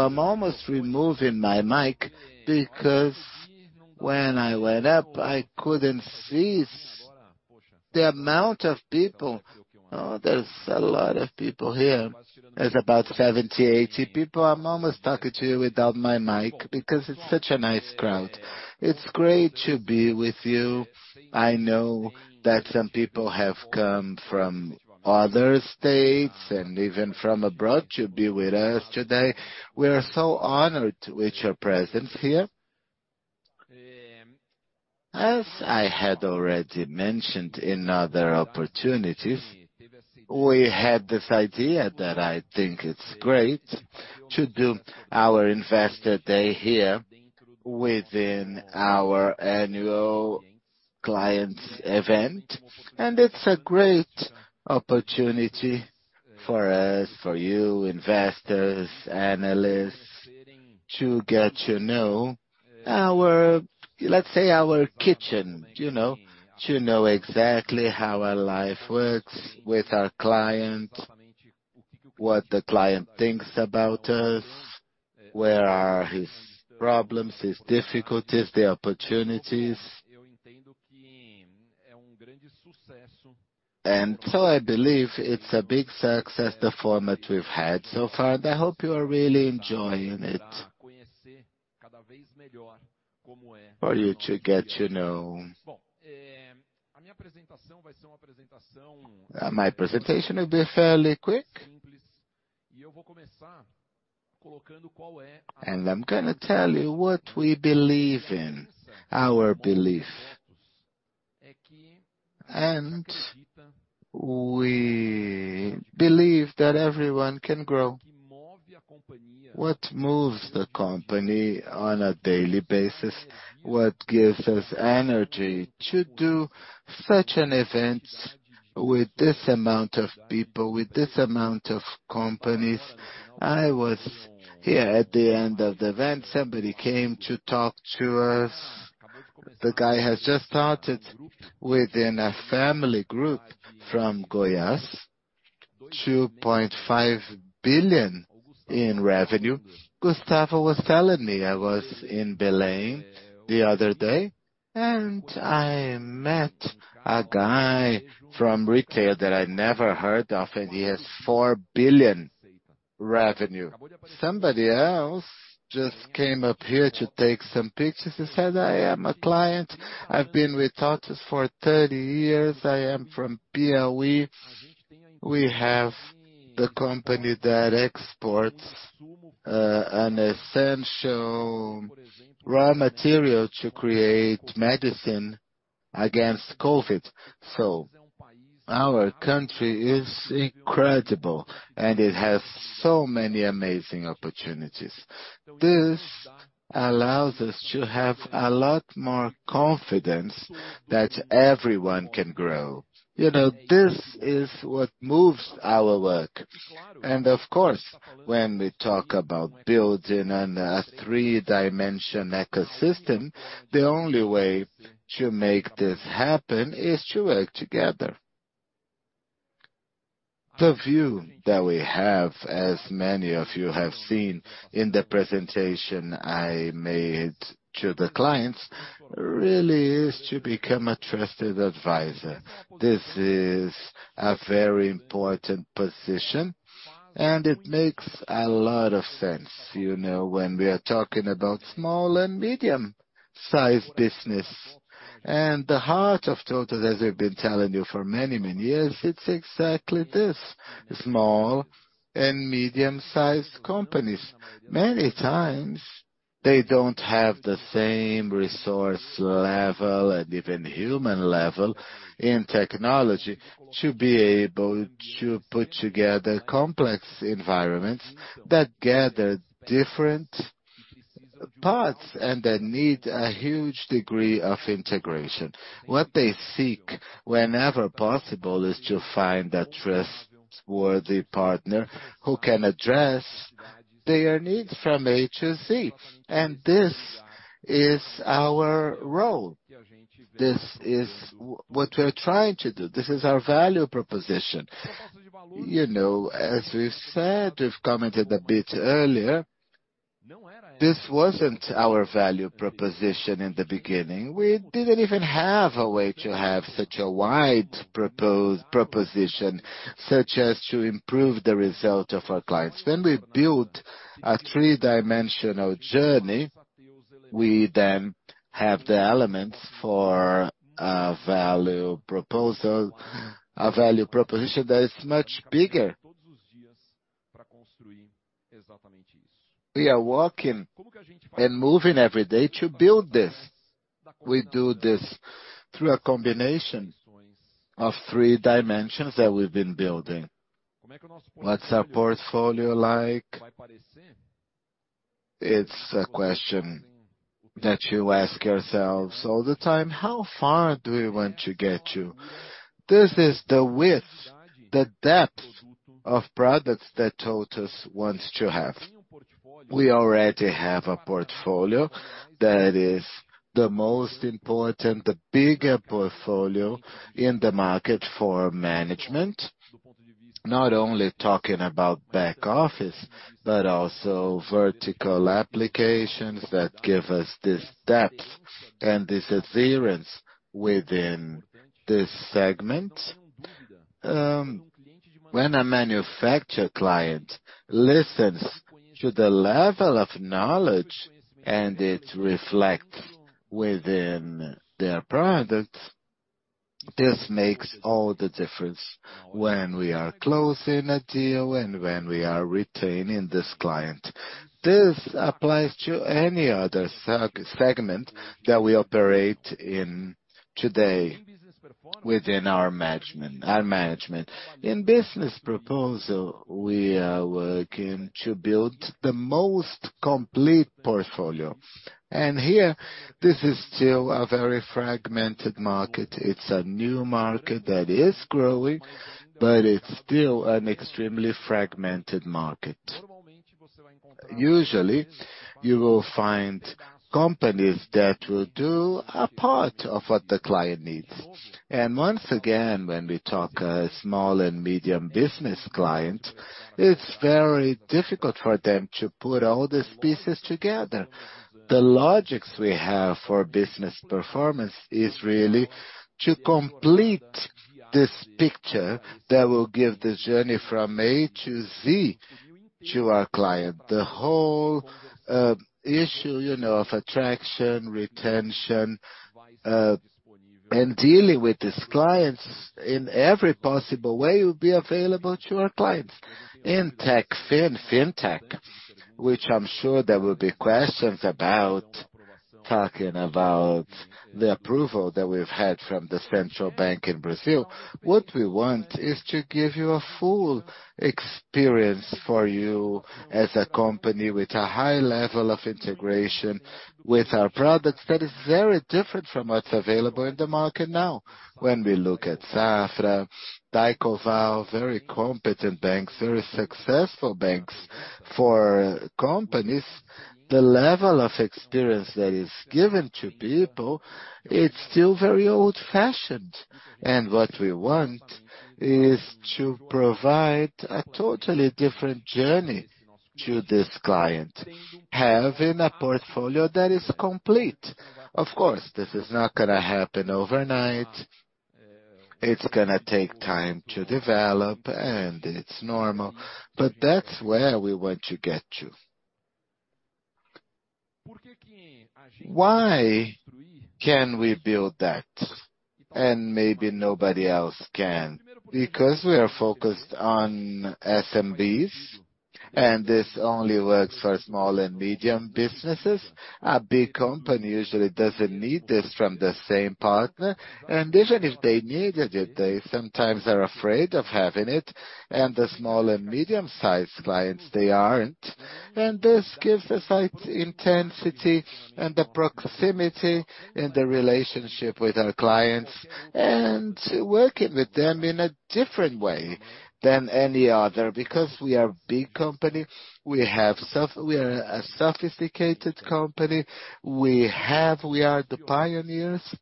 I'm almost removing my mic, because when I went up, I couldn't see the amount of people. There's a lot of people here. There's about 70, 80 people. I'm almost talking to you without my mic because it's such a nice crowd. It's great to be with you. I know that some people have come from other states and even from abroad to be with us today. We are so honored with your presence here. As I had already mentioned in other opportunities, we had this idea that I think it's great to do our Investor Day here within our annual clients event, and it's a great opportunity for us, for you, investors, analysts, to get to know our, let's say, our kitchen, you know, to know exactly how our life works with our clients, what the client thinks about us, where are his problems, his difficulties, the opportunities. I believe it's a big success, the format we've had so far, and I hope you are really enjoying it. For you to get to know. My presentation will be fairly quick. I'm gonna tell you what we believe in, our belief. We believe that everyone can grow. What moves the company on a daily basis, what gives us energy to do such an event with this amount of people, with this amount of companies. I was here at the end of the event, somebody came to talk to us. The guy has just started within a family group from Goiás, 2.5 billion in revenue. Gustavo was telling me, I was in Belém the other day, and I met a guy from retail that I never heard of, and he has 4 billion revenue. Somebody else just came up here to take some pictures and said, "I am a client. I've been with TOTVS for 30 years. I am from PLE. We have the company that exports an essential raw material to create medicine against COVID." Our country is incredible, and it has so many amazing opportunities. This allows us to have a lot more confidence that everyone can grow. You know, this is what moves our workers. Of course, when we talk about building on a 3-dimension ecosystem, the only way to make this happen is to work together. The view that we have, as many of you have seen in the presentation I made to the clients, really is to become a trusted advisor. This is a very important position, and it makes a lot of sense, you know, when we are talking about small and medium-sized business. The heart of TOTVS, as we've been telling you for many, many years, it's exactly this, small and medium-sized companies. Many times, they don't have the same resource level and even human level in technology to be able to put together complex environments that gather different parts and that need a huge degree of integration. What they seek, whenever possible, is to find a trustworthy partner who can address their needs from A to Z. This is what we're trying to do. This is our value proposition. You know, as we've said, we've commented a bit earlier, this wasn't our value proposition in the beginning. We didn't even have a way to have such a wide proposition, such as to improve the result of our clients. When we built a three-dimensional journey, we then have the elements for a value proposal, a value proposition that is much bigger. We are working and moving every day to build this. We do this through a combination of 3 dimensions that we've been building. What's our portfolio like? It's a question that you ask yourselves all the time: How far do we want to get to? This is the width, the depth of products that TOTVS wants to have. We already have a portfolio that is the most important, the bigger portfolio in the market for management, not only talking about back office, but also vertical applications that give us this depth and this adherence within this segment. When a manufacturer client listens to the level of knowledge, and it reflect within their products, this makes all the difference when we are closing a deal and when we are retaining this client. This applies to any other segment that we operate in today within our management. In business proposal, we are working to build the most complete portfolio, and here, this is still a very fragmented market. It's a new market that is growing, but it's still an extremely fragmented market. Usually, you will find companies that will do a part of what the client needs. Once again, when we talk a small and medium business client, it's very difficult for them to put all these pieces together. The Lexos we have for Business Performance is really to complete this picture that will give the journey from A to Z to our client. The whole issue, you know, of attraction, retention, and dealing with these clients in every possible way, will be available to our clients. In Techfin, Fintech, which I'm sure there will be questions about, talking about the approval that we've had from the Central Bank of Brazil. What we want is to give you a full experience for you as a company with a high level of integration with our products, that is very different from what's available in the market now. When we look at Safra, Daycoval, very competent banks, very successful banks for companies, the level of experience that is given to people, it's still very old-fashioned. What we want is to provide a totally different journey to this client, having a portfolio that is complete. Of course, this is not gonna happen overnight. It's gonna take time to develop, and it's normal, but that's where we want to get to. Why can we build that, and maybe nobody else can? Because we are focused on SMBs, and this only works for small and medium businesses. A big company usually doesn't need this from the same partner, and even if they needed it, they sometimes are afraid of having it, and the small and medium-sized clients, they aren't. This gives us intensity and the proximity in the relationship with our clients, and working with them in a different way than any other. We are a big company, we are a sophisticated company, we are the pioneers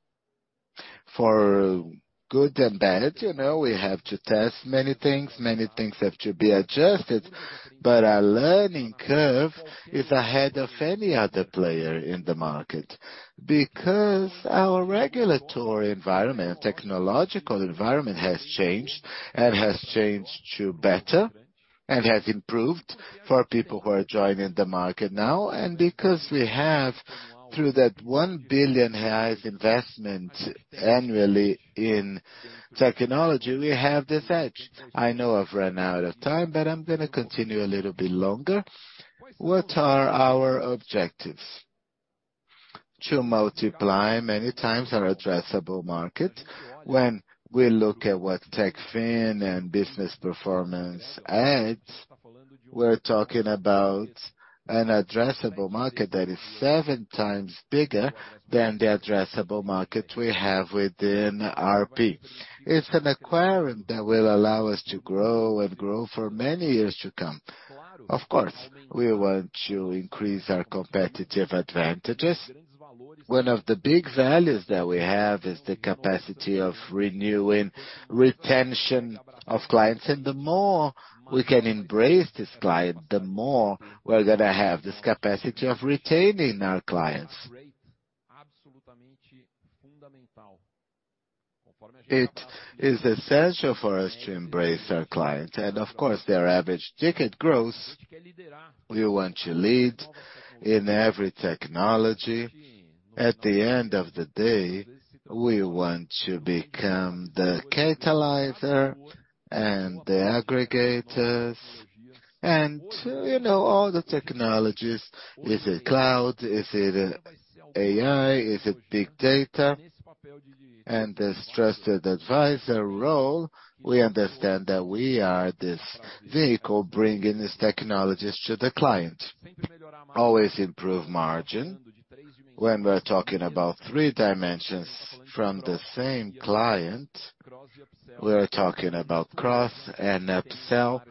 for good and bad, you know, we have to test many things, many things have to be adjusted. Our learning curve is ahead of any other player in the market, because our regulatory environment and technological environment has changed, and has changed to better, and has improved for people who are joining the market now. Because we have, through that 1 billion investment annually in technology, we have this edge. I know I've run out of time, but I'm gonna continue a little bit longer. What are our objectives? To multiply many times our addressable market. When we look at what Techfin and business performance adds, we're talking about an addressable market that is 7x bigger than the addressable market we have within ERP. It's an aquarium that will allow us to grow and grow for many years to come. Of course, we want to increase our competitive advantages. One of the big values that we have is the capacity of renewing retention of clients, and the more we can embrace this client, the more we're gonna have this capacity of retaining our clients. It is essential for us to embrace our clients and, of course, their average ticket grows. We want to lead in every technology. At the end of the day, we want to become the catalyzer and the aggregators, you know, all the technologies, is it cloud? Is it AI? Is it big data? This trusted advisor role, we understand that we are this vehicle bringing these technologies to the client. Always improve margin. When we're talking about three dimensions from the same client, we're talking about cross and upsell.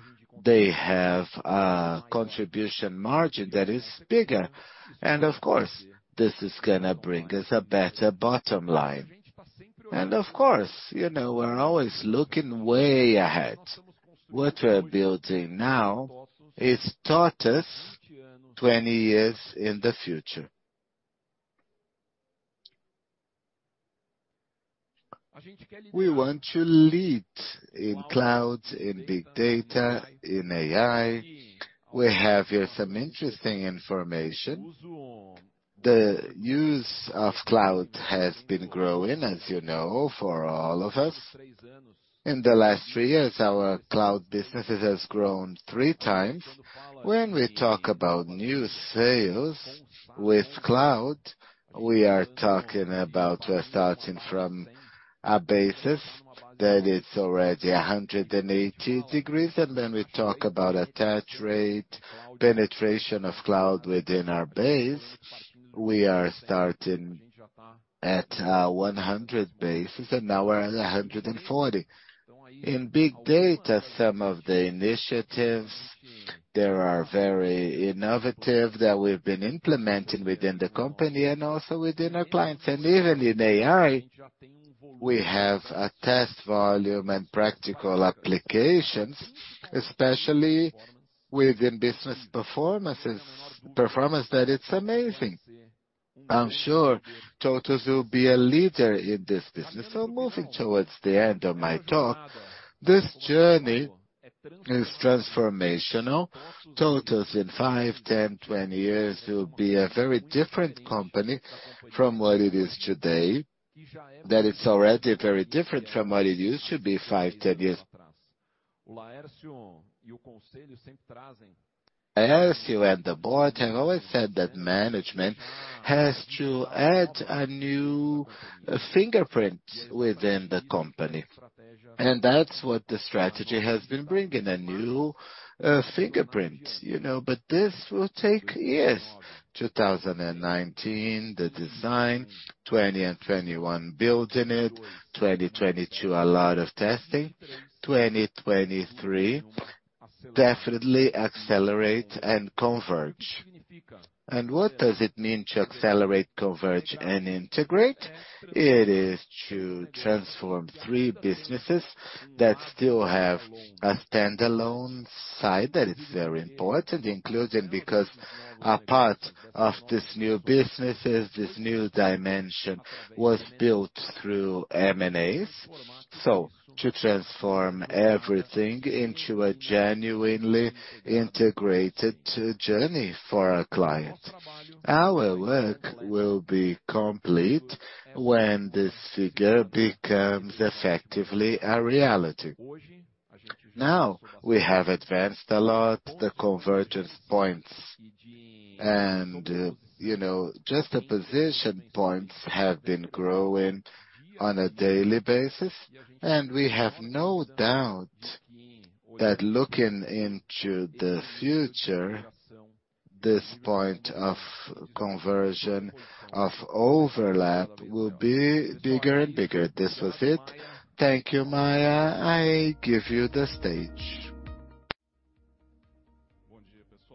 They have a contribution margin that is bigger. Of course, this is gonna bring us a better bottom line. Of course, you know, we're always looking way ahead. What we're building now, is TOTVS 20 years in the future. We want to lead in clouds, in big data, in AI. We have here some interesting information. The use of cloud has been growing, as you know, for all of us. In the last three years, our cloud businesses has grown 3x. When we talk about new sales with cloud, we are talking about starting from a basis that is already 180 degrees. We talk about attach rate, penetration of cloud within our base. We are starting at 100 bases, now we're at 140. In big data, some of the initiatives, they are very innovative, that we've been implementing within the company and also within our clients. Even in AI, we have a test volume and practical applications, especially within business performance, that it's amazing. I'm sure TOTVS will be a leader in this business. Moving towards the end of my talk, this journey is transformational. TOTVS in five, 10, 20 years, will be a very different company from what it is today, that it's already very different from what it used to be five, 10 years. Laercio and the board have always said that management has to add a new fingerprint within the company, and that's what the strategy has been bringing, a new fingerprint, you know? This will take years. 2019, the design. 2020 and 2021, building it. 2022, a lot of testing. 2023, definitely accelerate and converge. What does it mean to accelerate, converge, and integrate? It is to transform three businesses that still have a standalone side, that is very important, including because a part of this new businesses, this new dimension, was built through M&As. To transform everything into a genuinely integrated journey for our clients. Our work will be complete when this figure becomes effectively a reality. We have advanced a lot, the convergence points and, you know, just the position points have been growing on a daily basis, and we have no doubt that looking into the future, this point of conversion, of overlap, will be bigger and bigger. This was it. Thank you, Maya. I give you the stage.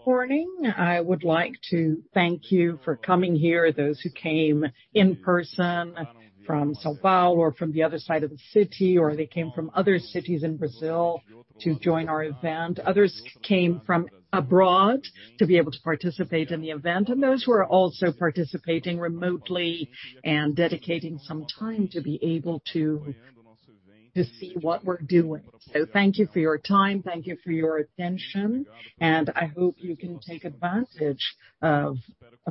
Morning! I would like to thank you for coming here, those who came in person from São Paulo or from the other side of the city, or they came from other cities in Brazil to join our event. Others came from abroad to be able to participate in the event, and those who are also participating remotely and dedicating some time to be able to see what we're doing. Thank you for your time, thank you for your attention, and I hope you can take advantage of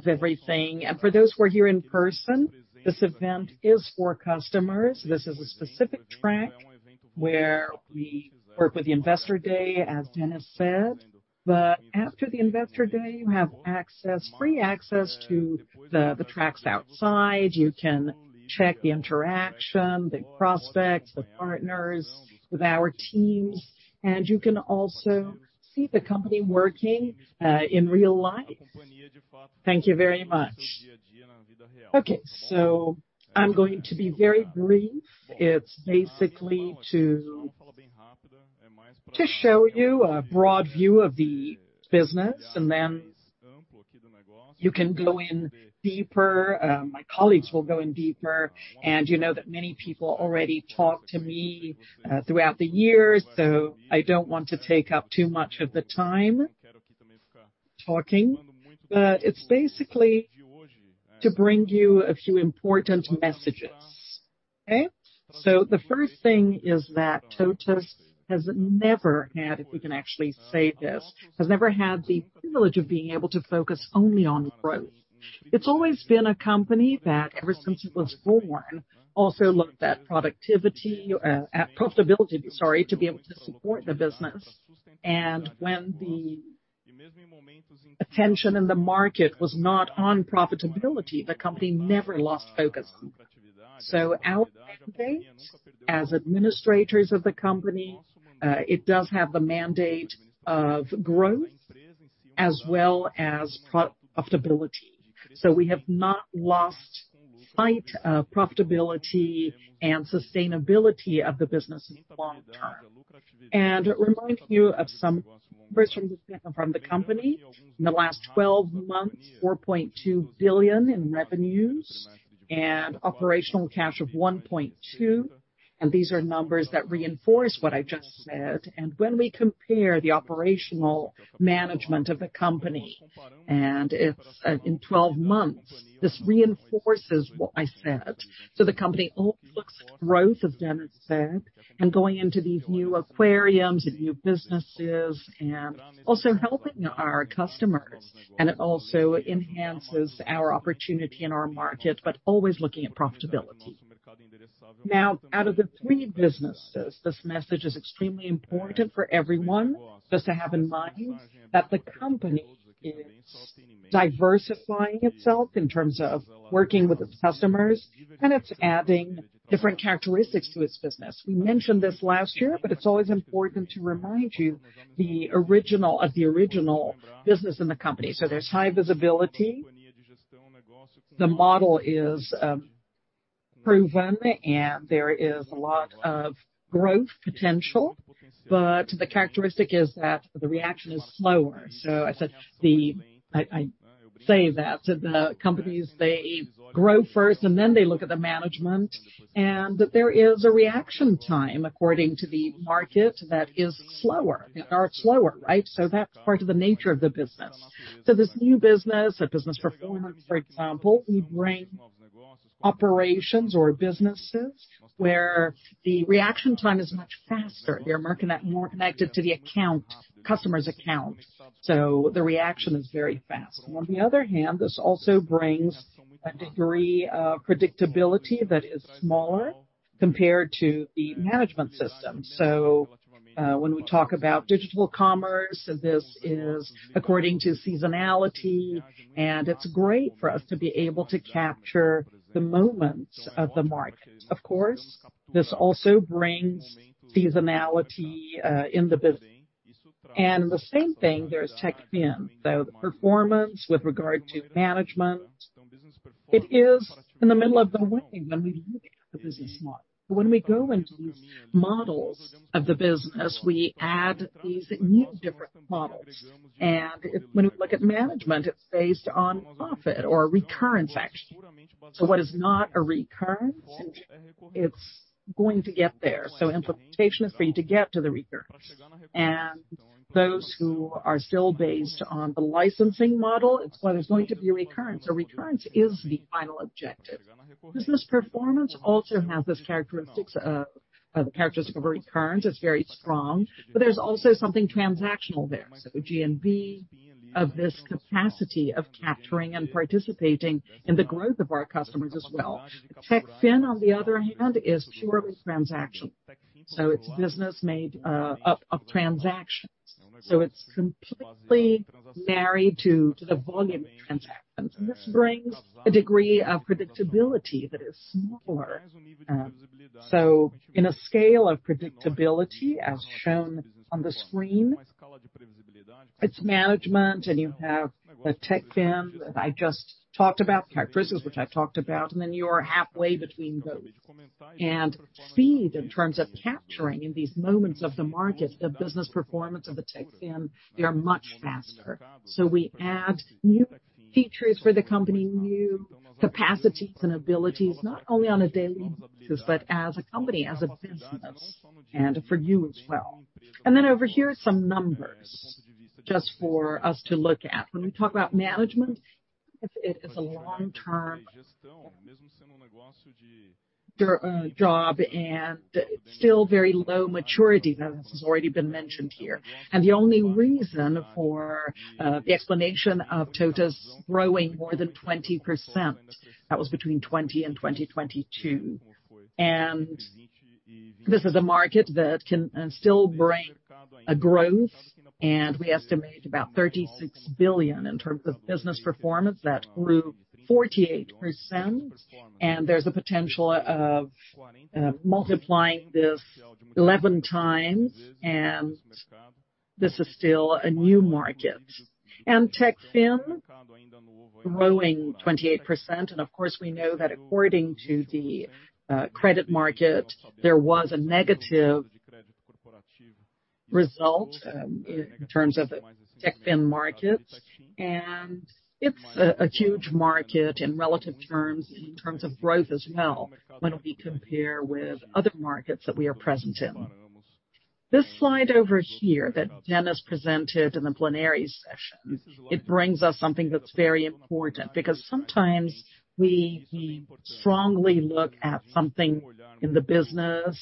everything. For those who are here in person, this event is for customers. This is a specific track where we work with the Investor Day, as Dennis said. After the Investor Day, you have access, free access to the tracks outside. You can check the interaction, the prospects, the partners with our teams, and you can also see the company working in real life. Thank you very much. Okay, I'm going to be very brief. It's basically to show you a broad view of the business, and then you can go in deeper. My colleagues will go in deeper. You know that many people already talked to me throughout the years, so I don't want to take up too much of the time talking. It's basically to bring you a few important messages. Okay? The first thing is that TOTVS has never had, if we can actually say this, has never had the privilege of being able to focus only on growth. It's always been a company that, ever since it was born, also looked at productivity, at profitability, sorry, to be able to support the business. When the attention in the market was not on profitability, the company never lost focus. Our dates, as administrators of the company, it does have the mandate of growth. As well as profitability. We have not lost sight of profitability and sustainability of the business long term. Remind you of some words from the company. In the last 12 months, 4.2 billion in revenues and operational cash of 1.2 billion. These are numbers that reinforce what I just said. When we compare the operational management of the company, in 12 months, this reinforces what I said. The company looks at growth, as Dennis said, and going into these new aquariums and new businesses and also helping our customers, and it also enhances our opportunity in our market, but always looking at profitability. Out of the three businesses, this message is extremely important for everyone, just to have in mind that the company is diversifying itself in terms of working with its customers, and it's adding different characteristics to its business. We mentioned this last year, but it's always important to remind you of the original business in the company. There's high visibility. The model is proven, and there is a lot of growth potential, but the characteristic is that the reaction is slower. I say that the companies, they grow first and then they look at the management, and that there is a reaction time according to the market that is slower. They are slower, right. That's part of the nature of the business. This new business, the Business Performance, for example, we bring operations or businesses where the reaction time is much faster. They're more connected to the account, customer's account. The reaction is very fast. On the other hand, this also brings a degree of predictability that is smaller compared to the management system. When we talk about digital commerce, this is according to seasonality, and it's great for us to be able to capture the moments of the market. Of course, this also brings seasonality in the business. The same thing, there's Techfin. The performance with regard to management, it is in the middle of the way when we look at the business model. When we go into these models of the business, we add these new different models, when we look at management, it's based on profit or recurrence, actually. What is not a recurrence, it's going to get there, so implementation is for you to get to the recurrence. Those who are still based on the licensing model, it's where there's going to be recurrence. Recurrence is the final objective. Business performance also has this characteristics of the characteristics of a recurrence. It's very strong, but there's also something transactional there. GMV, of this capacity of capturing and participating in the growth of our customers as well. Techfin, on the other hand, is purely transactional. It's business made of transactions. It's completely married to the volume of transactions. This brings a degree of predictability that is smaller. In a scale of predictability, as shown on the screen, it's management, you have the Techfin that I just talked about, characteristics, which I talked about, you are halfway between both. Speed in terms of capturing in these moments of the market, the business performance of the Techfin, they are much faster. We add new features for the company, new capacities and abilities, not only on a daily basis, but as a company, as a business, and for you as well. Over here are some numbers just for us to look at. When we talk about management, it is a long-term job, and still very low maturity. Now, this has already been mentioned here. The only reason for the explanation of TOTVS growing more than 20%, that was between 2020 and 2022. This is a market that can still bring a growth, and we estimate about 36 billion in terms of business performance. That grew 48%, and there's a potential of multiplying this 11x, and this is still a new market. Techfin growing 28%, and of course, we know that according to the credit market, there was a negative result in terms of the Techfin markets. It's a huge market in relative terms, in terms of growth as well, when we compare with other markets that we are present in. This slide over here that Dennis presented in the plenary session, it brings us something that's very important because sometimes we strongly look at something in the business,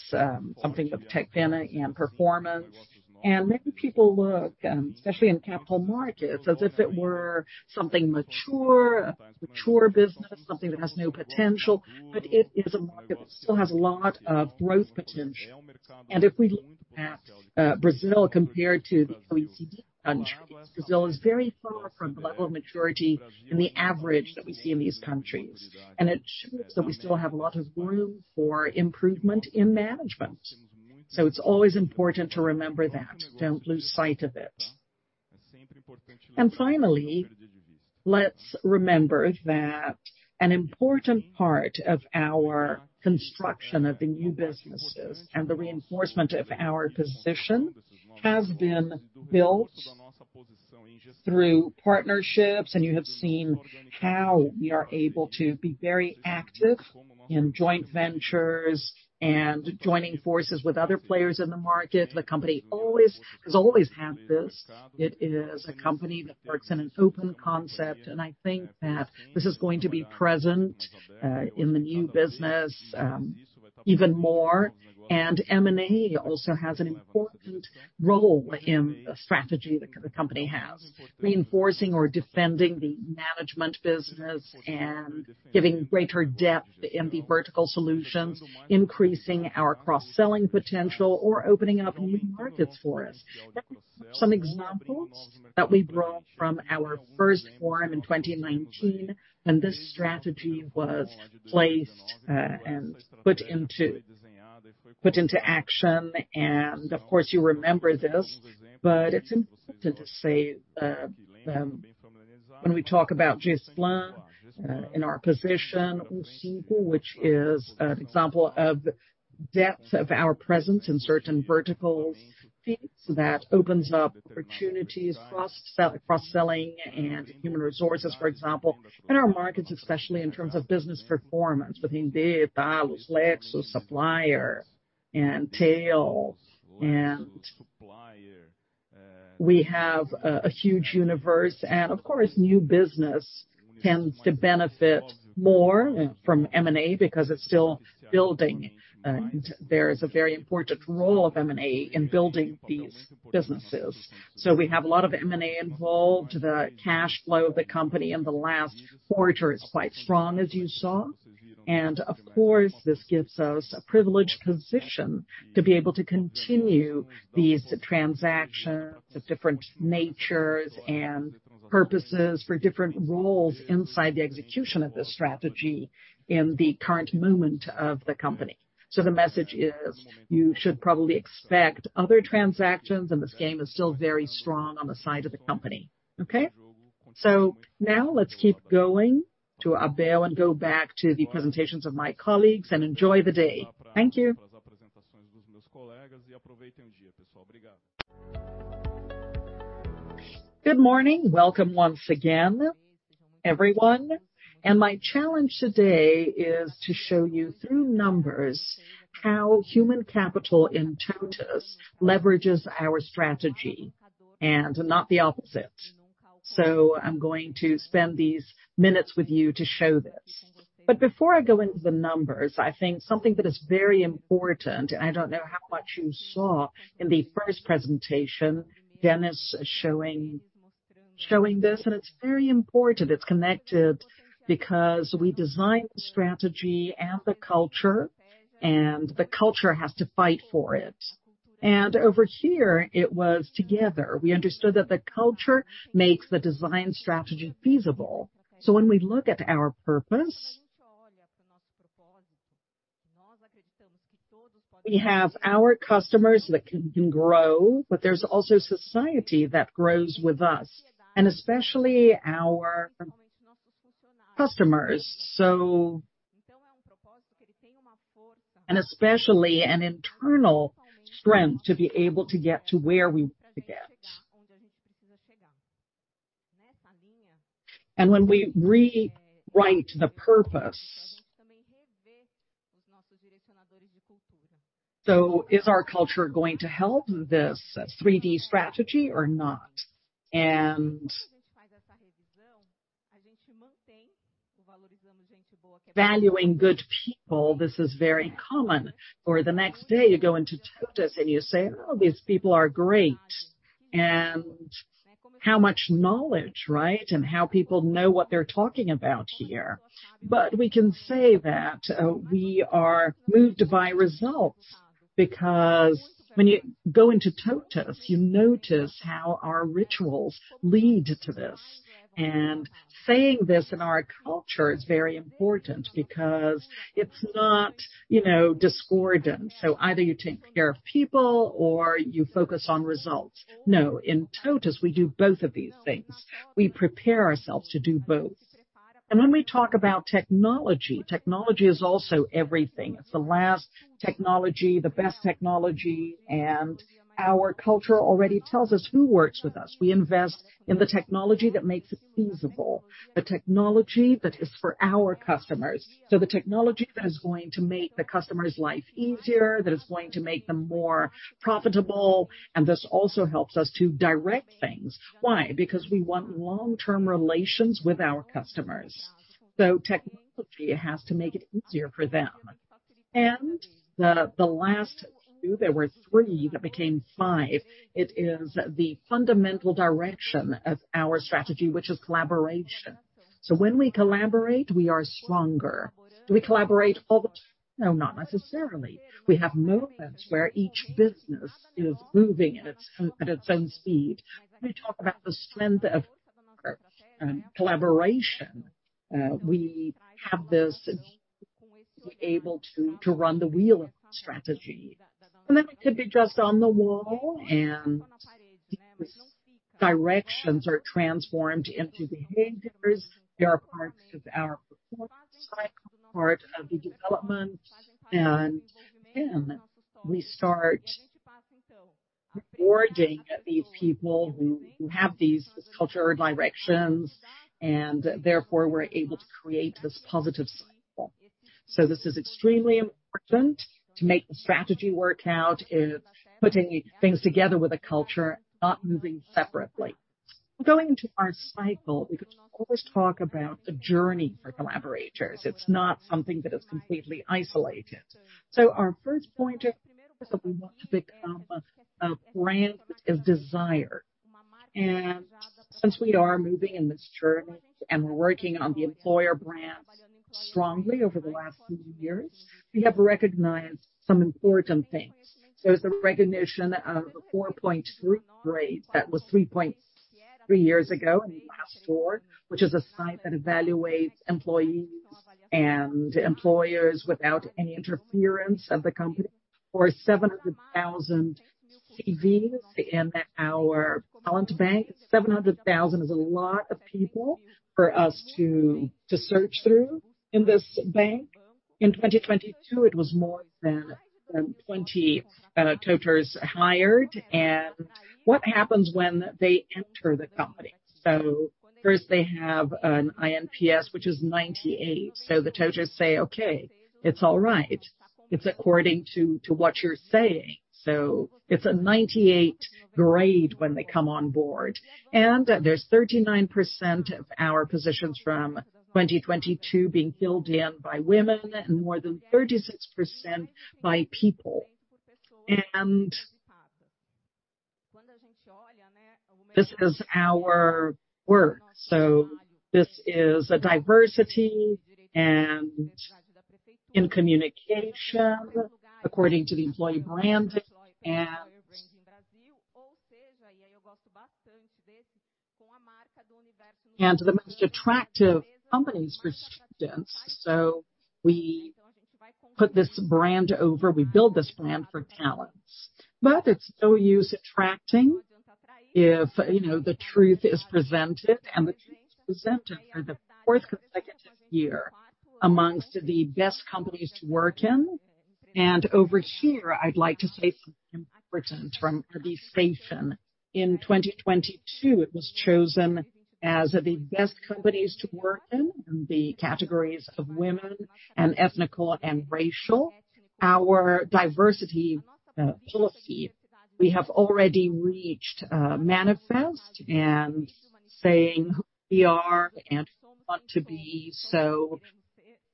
something of Techfin and performance. Many people look, especially in capital markets, as if it were something mature, a mature business, something that has no potential, but it is a market that still has a lot of growth potential. If we look at Brazil compared to the OECD countries, Brazil is very far from the level of maturity and the average that we see in these countries. It shows that we still have a lot of room for improvement in management. It's always important to remember that. Don't lose sight of it. Finally, let's remember that an important part of our construction of the new businesses and the reinforcement of our position has been built through partnerships, and you have seen how we are able to be very active in joint ventures and joining forces with other players in the market. The company has always had this. It is a company that works in an open concept, and I think that this is going to be present in the new business even more. M&A also has an important role in the strategy that the company has. Reinforcing or defending the management business and giving greater depth in the vertical solutions, increasing our cross-selling potential or opening up new markets for us. Some examples that we brought from our first forum in 2019, and this strategy was placed and put into action. Of course, you remember this, but it's important to say, when we talk about Giesecke+Devrient, in our position, which is an example of depth of our presence in certain verticals, Feedz that opens up opportunities, cross-sell, cross-selling and human resources, for example, in our markets, especially in terms of business performance, within Tallos, Lexos, Supplier, and Tail. We have a huge universe, and of course, new business tends to benefit more from M&A because it's still building, and there is a very important role of M&A in building these businesses. We have a lot of M&A involved. The cash flow of the company in the last quarter is quite strong, as you saw. Of course, this gives us a privileged position to be able to continue these transactions of different natures and purposes, for different roles inside the execution of this strategy in the current moment of the company. The message is: you should probably expect other transactions, and this game is still very strong on the side of the company. Okay? Now let's keep going to Abel and go back to the presentations of my colleagues, and enjoy the day. Thank you. Good morning. Welcome once again, everyone. My challenge today is to show you through numbers, how human capital in TOTVS leverages our strategy and not the opposite. I'm going to spend these minutes with you to show this. Before I go into the numbers, I think something that is very important, I don't know how much you saw in the first presentation, Dennis showing this, it's very important. It's connected because we design the strategy and the culture, the culture has to fight for it. Over here, it was together. We understood that the culture makes the design strategy feasible. When we look at our purpose, we have our customers that can grow, but there's also society that grows with us, and especially our customers. Especially an internal strength to be able to get to where we want to get. When we rewrite the purpose, is our culture going to help this three D strategy or not? Valuing good people, this is very common, for the next day, you go into TOTVS and you say, "Oh, these people are great," and how much knowledge, right? How people know what they're talking about here. We can say that we are moved by results, because when you go into TOTVS, you notice how our rituals lead to this. Saying this in our culture is very important because it's not, you know, discordant. Either you take care of people or you focus on results. No, in TOTVS, we do both of these things. We prepare ourselves to do both. When we talk about technology is also everything. It's the last technology, the best technology, and our culture already tells us who works with us. We invest in the technology that makes it feasible, the technology that is for our customers. The technology that is going to make the customer's life easier, that is going to make them more profitable, and this also helps us to direct things. Why? Because we want long-term relations with our customers, so technology has to make it easier for them. The last two, there were three, that became five, it is the fundamental direction of our strategy, which is collaboration. When we collaborate, we are stronger. Do we collaborate all the time? No, not necessarily. We have moments where each business is moving at its own speed. When we talk about the strength of collaboration, we have this able to run the wheel of strategy. It could be just on the wall, and directions are transformed into behaviors. There are parts of our performance cycle, part of the development, and then we start rewarding these people who have these cultural directions, and therefore we're able to create this positive cycle. This is extremely important to make the strategy work out, in putting things together with a culture, not moving separately. Going into our cycle, we could always talk about a journey for TOTVERS. It's not something that is completely isolated. Our first point is that we want to become a brand of desire, and since we are moving in this journey and working on the employer brand strongly over the last few years, we have recognized some important things. There's a recognition of a four point three grade that was three point three years ago, in the last four, which is a site that evaluates employees and employers without any interference of the company, or 700,000 CVs in our talent bank. 700,000 is a lot of people for us to search through in this bank. In 2022, it was more than 20 TOTVERS hired. What happens when they enter the company? First they have an iNPS, which is 98. The TOTVERS say, "Okay, it's all right. It's according to what you're saying." It's a 98 grade when they come on board, and there's 39% of our positions from 2022 being filled in by women and more than 36% by people. This is our work. This is a diversity and in communication, according to the employee branding and the most attractive companies for students. We put this brand over, we build this brand for talents. It's no use attracting if, you know, the truth is presented, and the truth is presented for the fourth consecutive year amongst the best companies to work in. Over here, I'd like to say something important from the station. In 2022, it was chosen as the best companies to work in the categories of women and ethnic and racial. Our diversity policy, we have already reached manifest and saying who we are and want to be.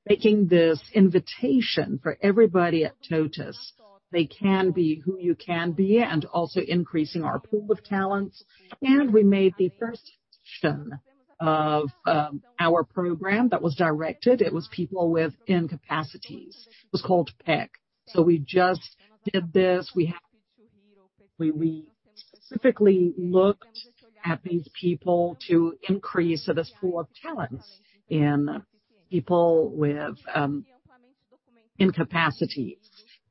Making this invitation for everybody at TOTVS, they can be who you can be, and also increasing our pool of talents. We made the first of our program that was directed, it was people with incapacities. It was called PEC. We just did this. We specifically looked at these people to increase this pool of talents in people with incapacity.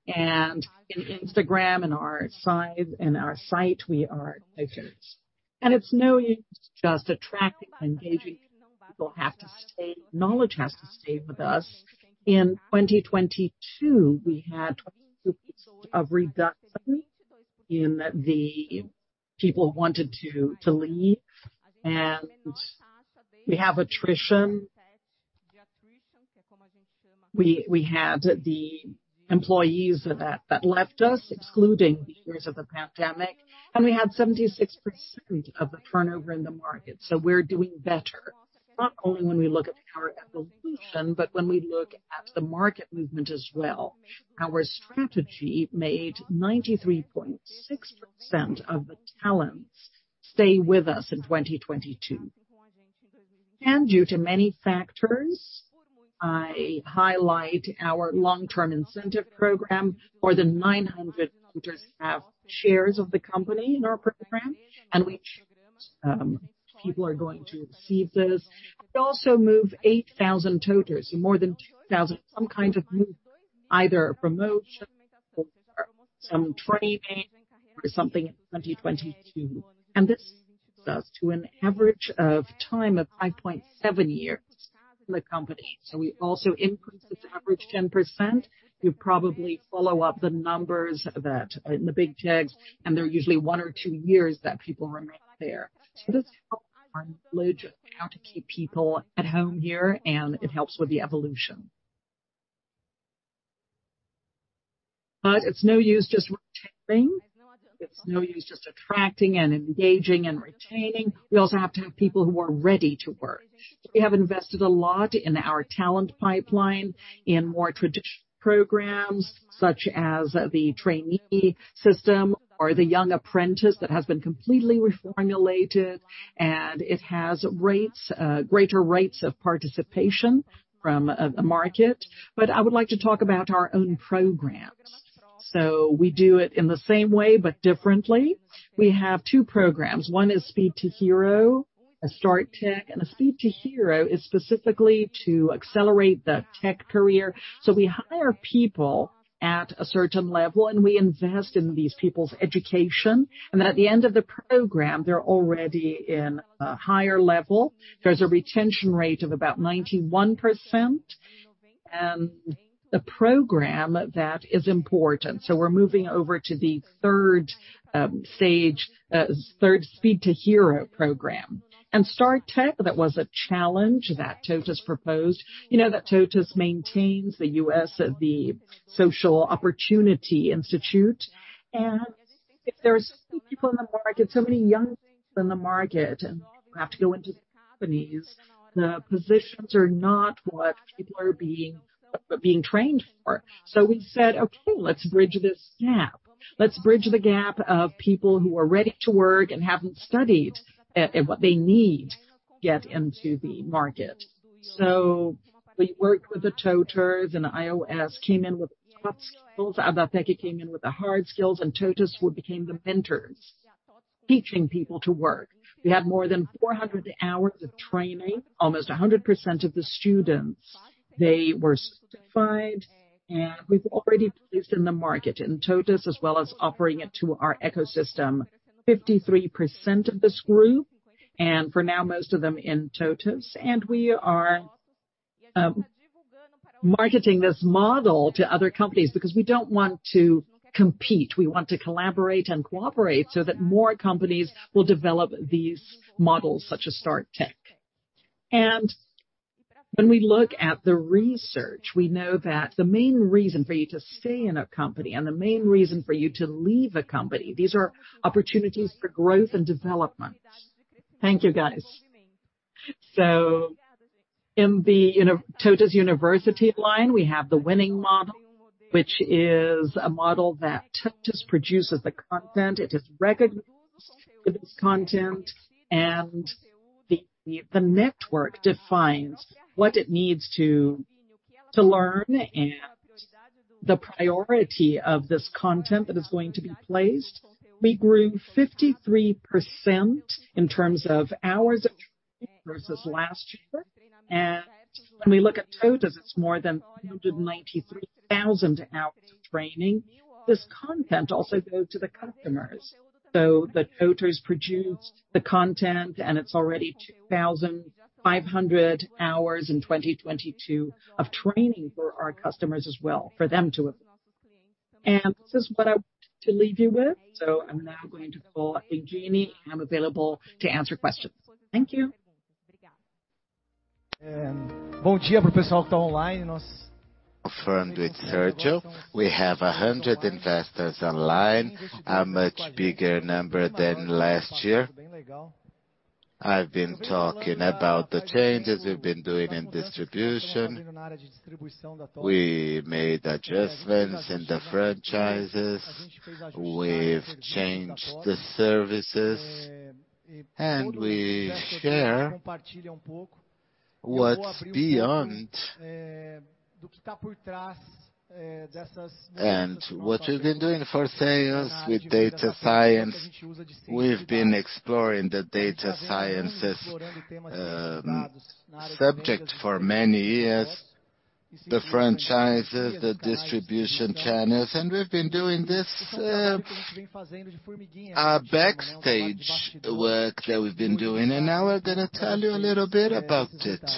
In Instagram, in our size and our site, we are . It's no use just attracting, engaging. People have to stay, knowledge has to stay with us. In 2022, we had of reduction in the people who wanted to leave, and we have attrition. We had the employees that left us, excluding the years of the pandemic, and we had 76% of the turnover in the market. We're doing better, not only when we look at our evolution, but when we look at the market movement as well. Our strategy made 93.6% of the talents stay with us in 2022. Due to many factors, I highlight our long-term incentive program. More than 900 TOTVERS have shares of the company in our program, which people are going to receive this. We also move 8,000 TOTVERS, more than 2,000, some kind of move, either a promotion or some training or something in 2022. This takes us to an average of time of five point seven years in the company. We also increased this average 10%. You probably follow up the numbers that are in the big techs. They're usually one or two years that people remain there. This helps how to keep people at home here. It helps with the evolution. It's no use just retaining. It's no use just attracting and engaging and retaining. We also have to have people who are ready to work. We have invested a lot in our talent pipeline, in more traditional programs such as the trainee system or the young apprentice, that has been completely reformulated, and it has rates, greater rates of participation from the market. I would like to talk about our own programs. We do it in the same way, but differently. We have 2 programs. One is Speed to Hero, a Start Tech, and a Speed to Hero is specifically to accelerate the tech career. We hire people at a certain level, and we invest in these people's education, and at the end of the program, they're already in a higher level. There's a retention rate of about 91%, and the program, that is important. We're moving over to the third stage, third Speed To Hero program. Start Tech, that was a challenge that TOTVS proposed. You know that TOTVS maintains the IOS, the Social Opportunity Institute, and if there's people in the market, so many young things in the market, and you have to go into the companies, the positions are not what people are being trained for. We said, "Okay, let's bridge this gap." Let's bridge the gap of people who are ready to work and haven't studied what they need to get into the market. We worked with the TOTVS, and IOS came in with skills, came in with the hard skills, and TOTVS, we became the mentors, teaching people to work. We had more than 400 hours of training. Almost 100% of the students, they were certified, and we've already placed in the market, in TOTVS, as well as offering it to our ecosystem. 53% of this group, for now, most of them in TOTVS, and we are marketing this model to other companies because we don't want to compete. We want to collaborate and cooperate so that more companies will develop these models, such as Start Tech. When we look at the research, we know that the main reason for you to stay in a company and the main reason for you to leave a company, these are opportunities for growth and development. Thank you, guys. In the TOTVS University line, we have the winning model, which is a model that TOTVS produces the content. It is recognized for this content, the network defines what it needs to learn and the priority of this content that is going to be placed. We grew 53% in terms of hours versus last year, when we look at TOTVS, it's more than 193,000 hours of training. This content also go to the customers. The TOTVS produced the content, and it's already 2,500 hours in 2022 of training for our customers as well, for them to, this is what I want to leave you with. I'm now going to call in Jenny, and I'm available to answer questions. Thank you. Confirmed with Sergio. We have 100 investors online, a much bigger number than last year. I've been talking about the changes we've been doing in distribution. We made adjustments in the franchises, we've changed the services, and we share what's beyond. What we've been doing for sales with data science, we've been exploring the data sciences subject for many years, the franchises, the distribution channels, and we've been doing this backstage work that we've been doing. Now I'm gonna tell you a little bit about it.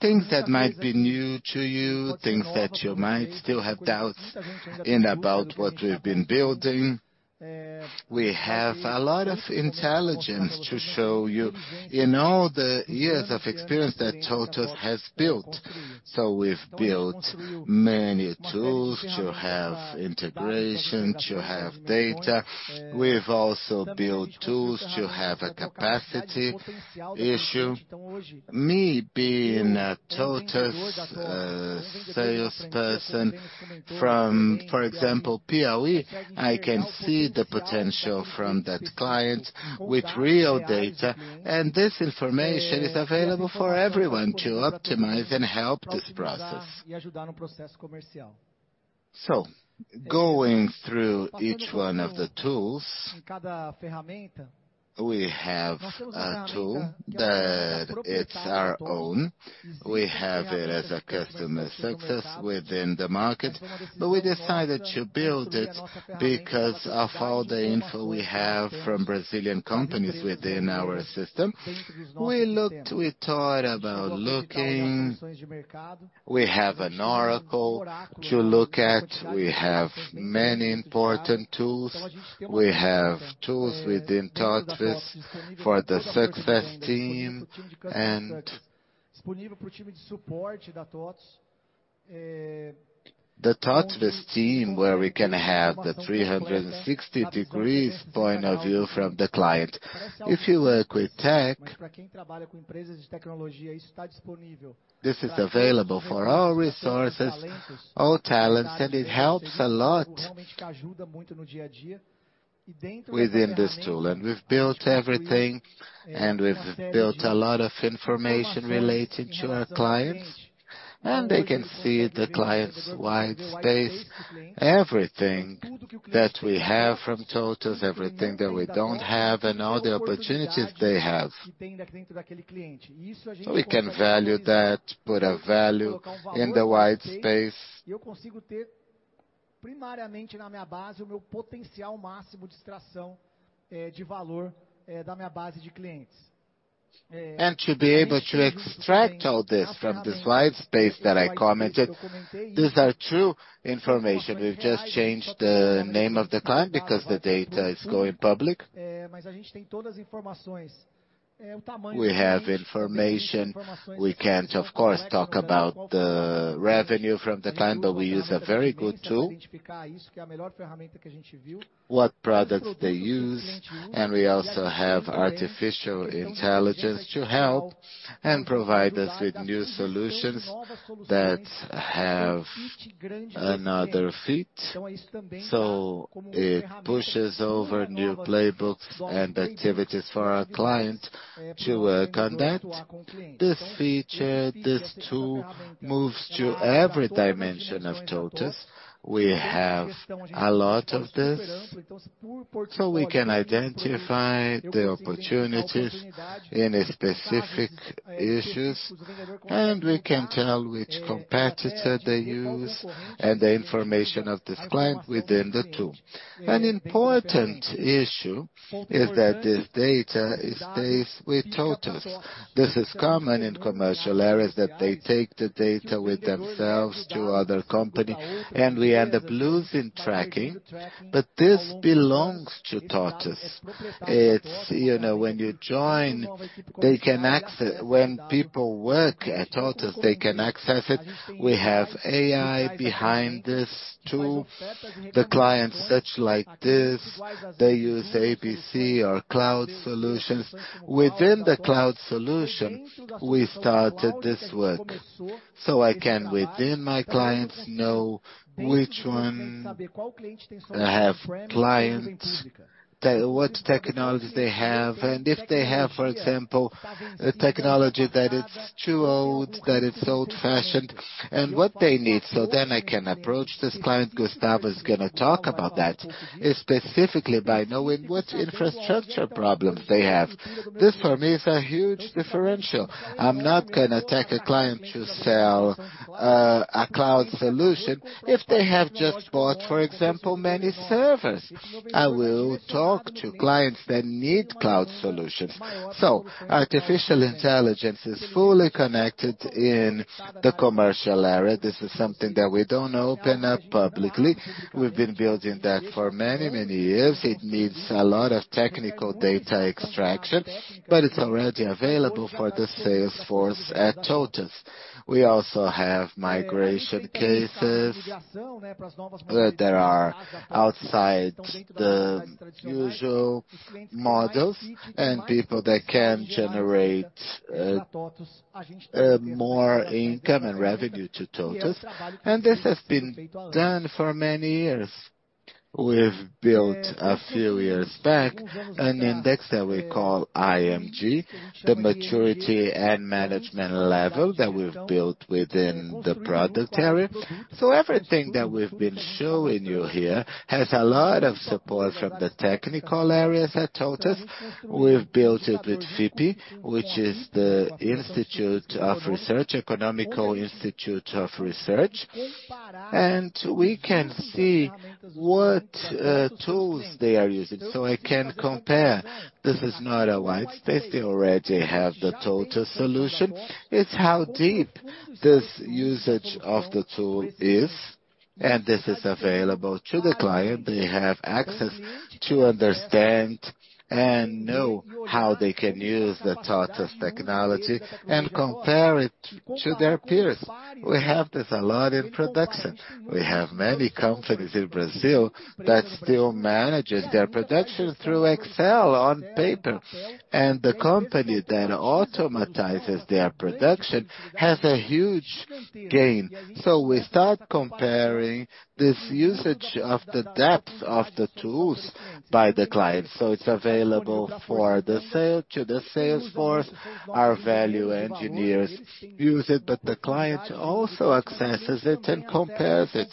Things that might be new to you, things that you might still have doubts in about what we've been building. We have a lot of intelligence to show you in all the years of experience that TOTVS has built. We've built many tools to have integration, to have data. We've also built tools to have a capacity issue. Me being a TOTVS salesperson from, for example, POA, I can see the potential from that client with real data, and this information is available for everyone to optimize and help this process. Going through each one of the tools, we have a tool that it's our own. We have it as a customer success within the market, but we decided to build it because of all the info we have from Brazilian companies within our system. We looked, we thought about looking. We have an Oracle to look at. We have many important tools. We have tools within TOTVS for the success team and the TOTVS team, where we can have the 360 degrees point of view from the client. If you work with tech, this is available for all resources, all talents, and it helps a lot. Within this tool, and we've built everything, and we've built a lot of information related to our clients, and they can see the client's wide space. Everything that we have from TOTVS, everything that we don't have, and all the opportunities they have. We can value that, put a value in the wide space. To be able to extract all this from this wide space that I commented, these are true information. We've just changed the name of the client because the data is going public. We have information, we can't, of course, talk about the revenue from the client, but we use a very good tool. What products they use, and we also have artificial intelligence to help and provide us with new solutions that have another fit. It pushes over new playbooks and activities for our client to conduct. This feature, this tool, moves to every dimension of TOTVS. We have a lot of this, so we can identify the opportunities in specific issues, and we can tell which competitor they use and the information of this client within the tool. An important issue is that this data, it stays with TOTVS. This is common in commercial areas, that they take the data with themselves to other company, and we end up losing tracking. This belongs to TOTVS. It's, you know, when you join, when people work at TOTVS, they can access it. We have AI behind this tool. The clients, such like this, they use ABC or cloud solutions. Within the cloud solution, we started this work, so I can, within my clients, know which one have clients, what technologies they have, and if they have, for example, a technology that it's too old, that it's old-fashioned, and what they need, so then I can approach this client. Gustavo is gonna talk about that, specifically by knowing what infrastructure problems they have. This, for me, is a huge differential. I'm not gonna take a client to sell a cloud solution if they have just bought, for example, many servers. I will talk to clients that need cloud solutions. Artificial intelligence is fully connected in the commercial area. This is something that we don't open up publicly. We've been building that for many, many years. It needs a lot of technical data extraction, but it's already available for the sales force at TOTVS. We also have migration cases, where there are outside the usual models and people that can generate more income and revenue to TOTVS. This has been done for many years. We've built, a few years back, an index that we call IMG, the maturity and management level that we've built within the product area. Everything that we've been showing you here has a lot of support from the technical areas at TOTVS. We've built it with FIPE, which is the Institute of Research, Economical Institute of Research. We can see what tools they are using. I can compare. This is not a wide space. They already have the TOTVS solution. It's how deep this usage of the tool is. This is available to the client. They have access to understand and know how they can use the TOTVS technology and compare it to their peers. We have this a lot in production. We have many companies in Brazil that still manages their production through Excel on paper, and the company that automatizes their production has a huge gain. We start comparing this usage of the depth of the tools by the client, so it's available for the sale to the sales force. Our value engineers use it, but the client also accesses it and compares it.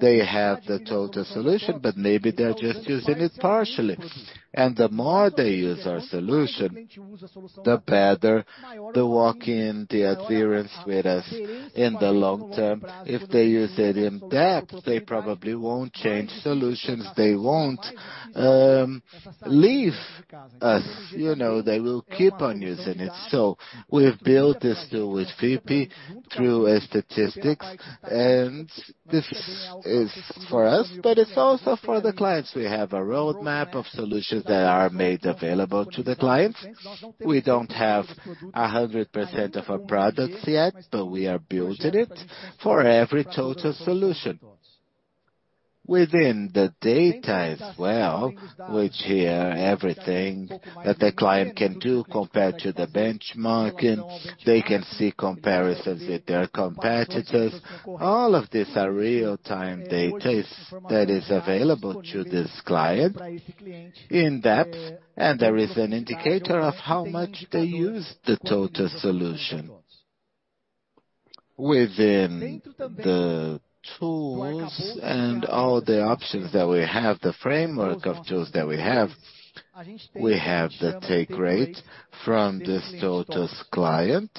They have the TOTVS solution, but maybe they're just using it partially. The more they use our solution, the better the walk-in, the adherence with us in the long term. If they use it in depth, they probably won't change solutions. They won't leave us. You know, they will keep on using it. We've built this tool with FIPE through a statistics, and this is for us, but it's also for the clients. We have a roadmap of solutions that are made available to the clients. We don't have 100% of our products yet, but we are building it for every TOTVS solution. Within the data as well, which here, everything that the client can do compared to the benchmarking, they can see comparisons with their competitors. All of these are real-time data that is available to this client in depth, and there is an indicator of how much they use the TOTVS solution. Within the tools and all the options that we have, the framework of tools that we have, we have the take rate from this TOTVS client.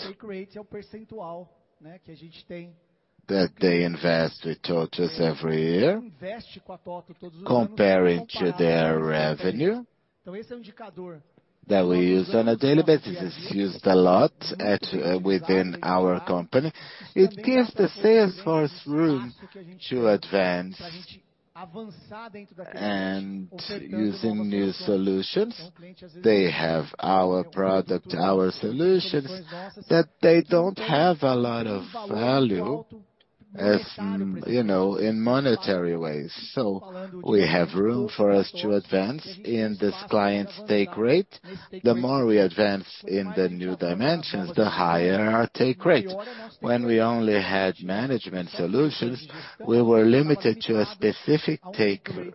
They invest with TOTVS every year, comparing to their revenue, that we use on a daily basis. It's used a lot at within our company. It gives the sales force room to advance and using new solutions. They have our product, our solutions, that they don't have a lot of value, as you know, in monetary ways. We have room for us to advance in this client's take rate. The more we advance in the new dimensions, the higher our take rate. When we only had management solutions, we were limited to a specific take rate.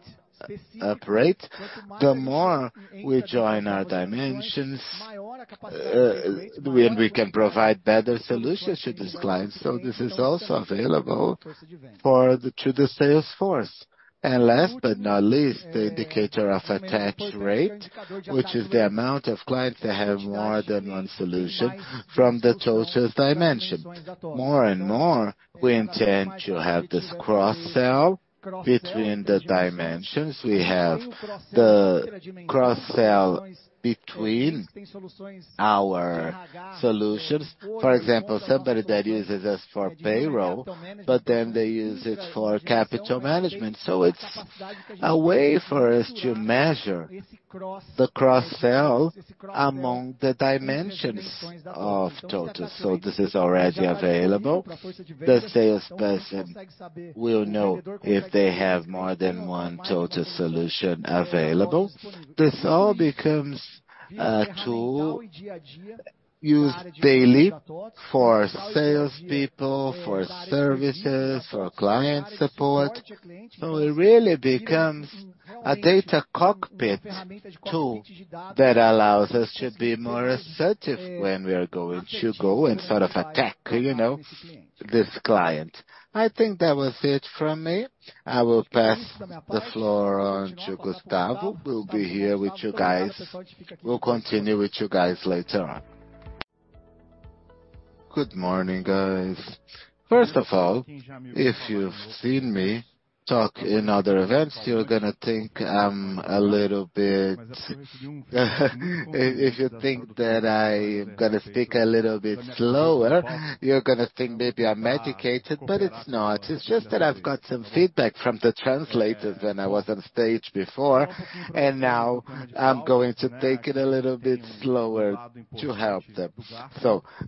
The more we join our dimensions, we can provide better solutions to this client. This is also available to the sales force. Last but not least, the indicator of attach rate, which is the amount of clients that have more than one solution from the TOTVS dimension. More and more, we intend to have this cross-sell between the dimensions. We have the cross-sell between our solutions. For example, somebody that uses us for payroll, but then they use it for capital management. It's a way for us to measure the cross-sell among the dimensions of TOTVS. This is already available. The sales person will know if they have more than one TOTVS solution available. This all becomes a tool used daily for sales people, for services, for client support. It really becomes a data cockpit tool that allows us to be more assertive when we are going to go and sort of attack, you know, this client. I think that was it from me. I will pass the floor on to Gustavo, will be here with you guys. We'll continue with you guys later on. Good morning, guys. First of all, if you've seen me talk in other events, you're gonna think I'm a little bit, if you think that I'm gonna speak a little bit slower, you're gonna think maybe I'm medicated, but it's not. It's just that I've got some feedback from the translators when I was on stage before, and now I'm going to take it a little bit slower to help them.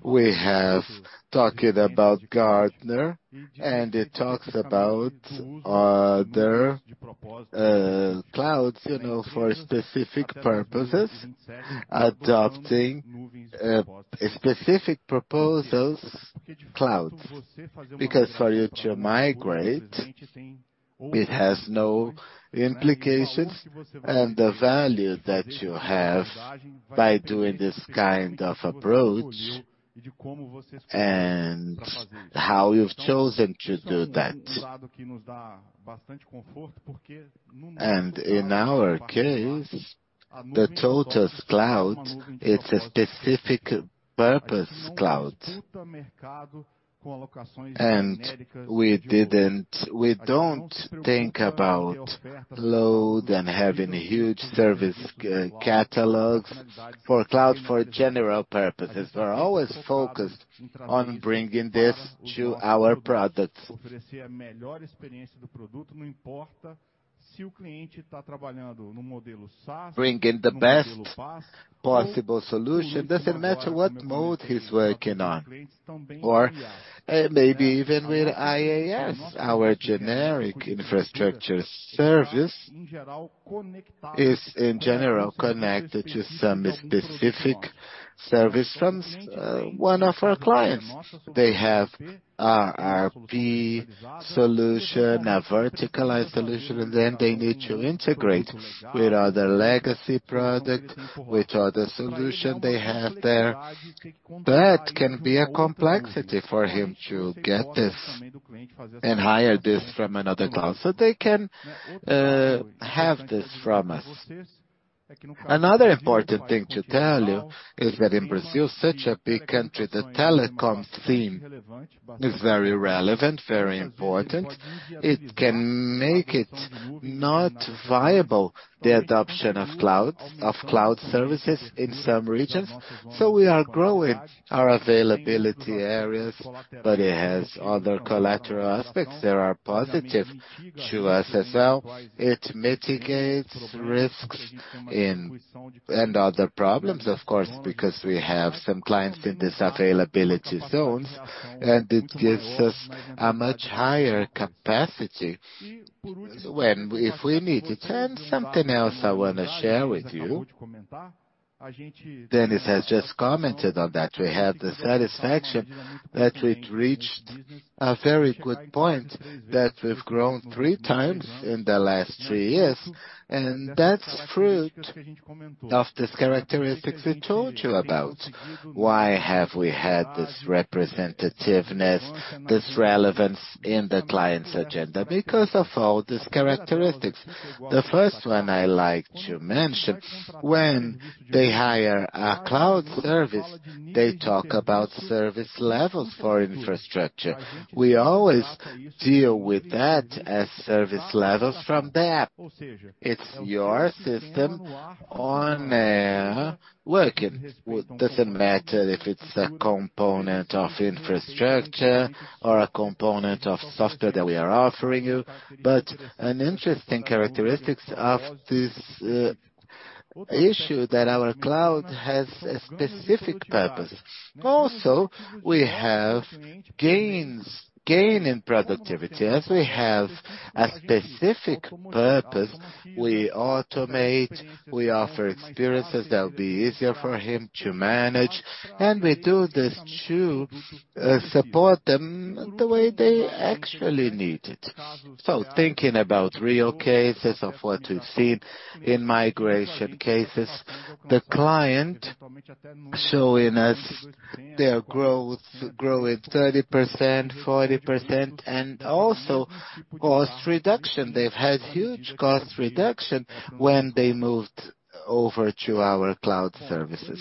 We have talking about Gartner, and it talks about other clouds, you know, for specific purposes, adopting specific proposals clouds. Because for you to migrate, it has no implications and the value that you have by doing this kind of approach and how you've chosen to do that. In our case, the TOTVS cloud, it's a specific purpose cloud. We don't think about load and having huge service catalogs for cloud for general purposes. We're always focused on bringing this to our products. Bringing the best possible solution, doesn't matter what mode he's working on, or maybe even with IaaS, our generic infrastructure service is, in general, connected to some specific service from one of our clients. They have ERP solution, a verticalized solution, they need to integrate with other legacy product, with other solution they have there. That can be a complexity for him to get this and hire this from another cloud, they can have this from us. Another important thing to tell you is that in Brazil, such a big country, the telecom theme is very relevant, very important. It can make it not viable, the adoption of cloud services in some regions. We are growing our availability areas, but it has other collateral aspects that are positive to us as well. It mitigates risks in and other problems, of course, because we have some clients in these availability zones, it gives us a much higher capacity when, if we need it. Something else I want to share with you. Dennis has just commented on that. We had the satisfaction that we'd reached a very good point, that we've grown 3x in the last three years, that's fruit of this characteristics we told you about. Why have we had this representativeness, this relevance in the client's agenda? Because of all these characteristics. The first one I like to mention, when they hire a cloud service, they talk about service levels for infrastructure. We always deal with that as service levels from the app. It's your system on, working. Well, doesn't matter if it's a component of infrastructure or a component of software that we are offering you. An interesting characteristics of this issue that our cloud has a specific purpose. Also, we have gain in productivity. As we have a specific purpose, we automate, we offer experiences that will be easier for him to manage, and we do this to support them the way they actually need it. Thinking about real cases of what we've seen in migration cases, the client showing us their growth, growing 30%, 40%, and also cost reduction. They've had huge cost reduction when they moved over to our cloud services.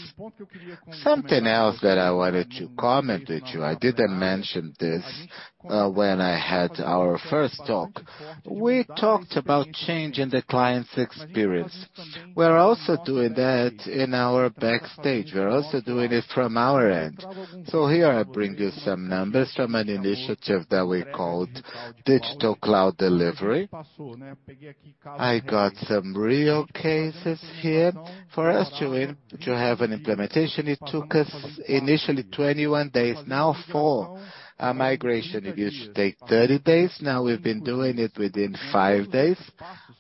Something else that I wanted to comment with you, I didn't mention this when I had our first talk. We talked about changing the client's experience. We're also doing that in our backstage. We're also doing it from our end. Here I bring you some numbers from an initiative that we called Digital Cloud Delivery. I got some real cases here. For us to have an implementation, it took us initially 21 days, now four. A migration, it used to take 30 days, now we've been doing it within five days.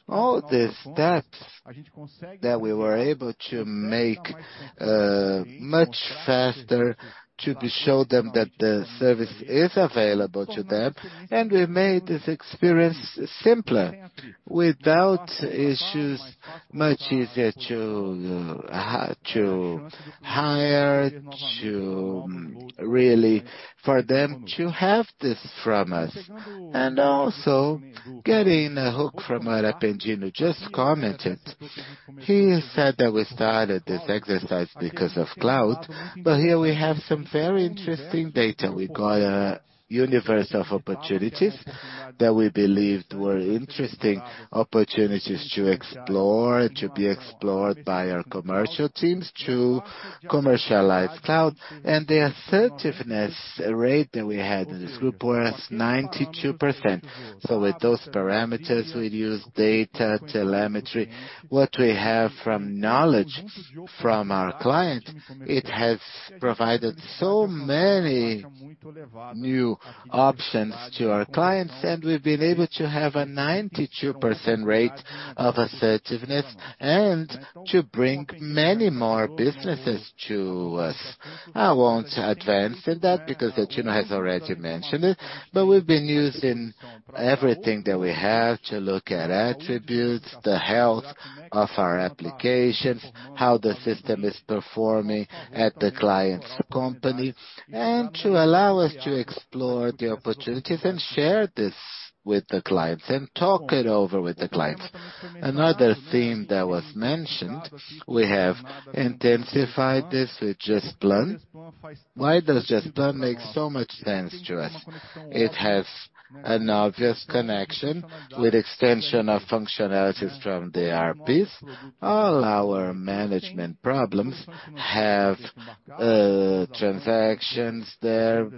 All the steps that we were able to make much faster to be showed them that the service is available to them, and we made this experience simpler. Without issues, much easier to hire, to really for them to have this from us. Getting a hook from what Apendino just commented. He said that we started this exercise because of cloud, but here we have some very interesting data. We got a universe of opportunities that we believed were interesting opportunities to explore, to be explored by our commercial teams, to commercialize cloud, and the assertiveness rate that we had in this group was 92%. With those parameters, we'd use data, telemetry. What we have from knowledge from our client, it has provided so many new options to our clients, and we've been able to have a 92% rate of assertiveness and to bring many more businesses to us. I won't advance in that because Latino has already mentioned it, but we've been using everything that we have to look at attributes, the health of our applications, how the system is performing at the client's company, and to allow us to explore the opportunities and share this with the clients and talk it over with the clients. Another theme that was mentioned, we have intensified this with Gesplan. Why does Gesplan make so much sense to us? It has an obvious connection with extension of functionalities from the ERPs. All our management problems have transactions there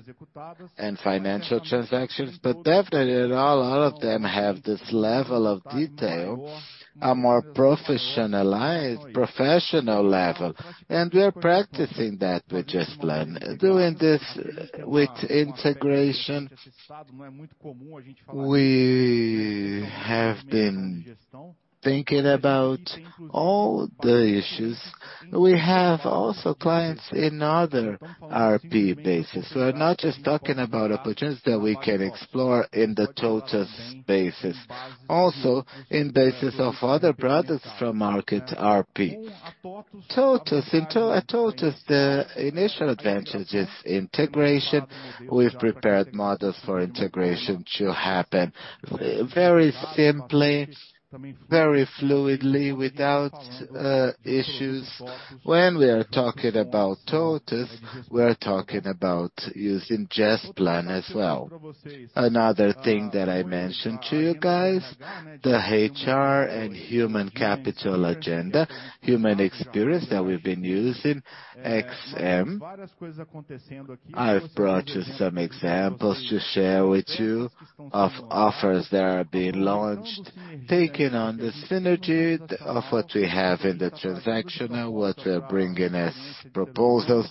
and financial transactions, but definitely, all of them have this level of detail, a more professionalized, professional level, and we are practicing that with Gesplan. Doing this with integration, we have been thinking about all the issues. We have also clients in other ERP bases. We're not just talking about opportunities that we can explore in the TOTVS bases. Also, in bases of other products from market ERP. TOTVS, the initial advantage is integration. We've prepared models for integration to happen very simply, very fluidly, without issues. When we are talking about TOTVS, we're talking about using Gesplan as well. Another thing that I mentioned to you guys, the HR and human capital agenda, human experience that we've been using, XM. I've brought you some examples to share with you of offers that are being launched, taking on the synergy of what we have in the transaction and what we're bringing as proposals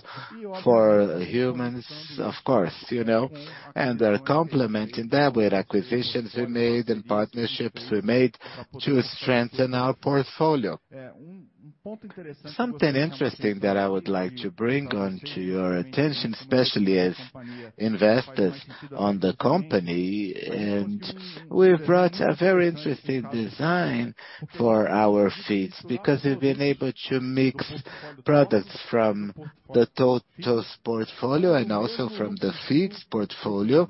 for humans, of course, you know, and they're complementing that with acquisitions we made and partnerships we made to strengthen our portfolio. Something interesting that I would like to bring onto your attention, especially as investors on the company, and we've brought a very interesting design for our Feedz, because we've been able to mix products from the TOTVS portfolio and also from the Feedz portfolio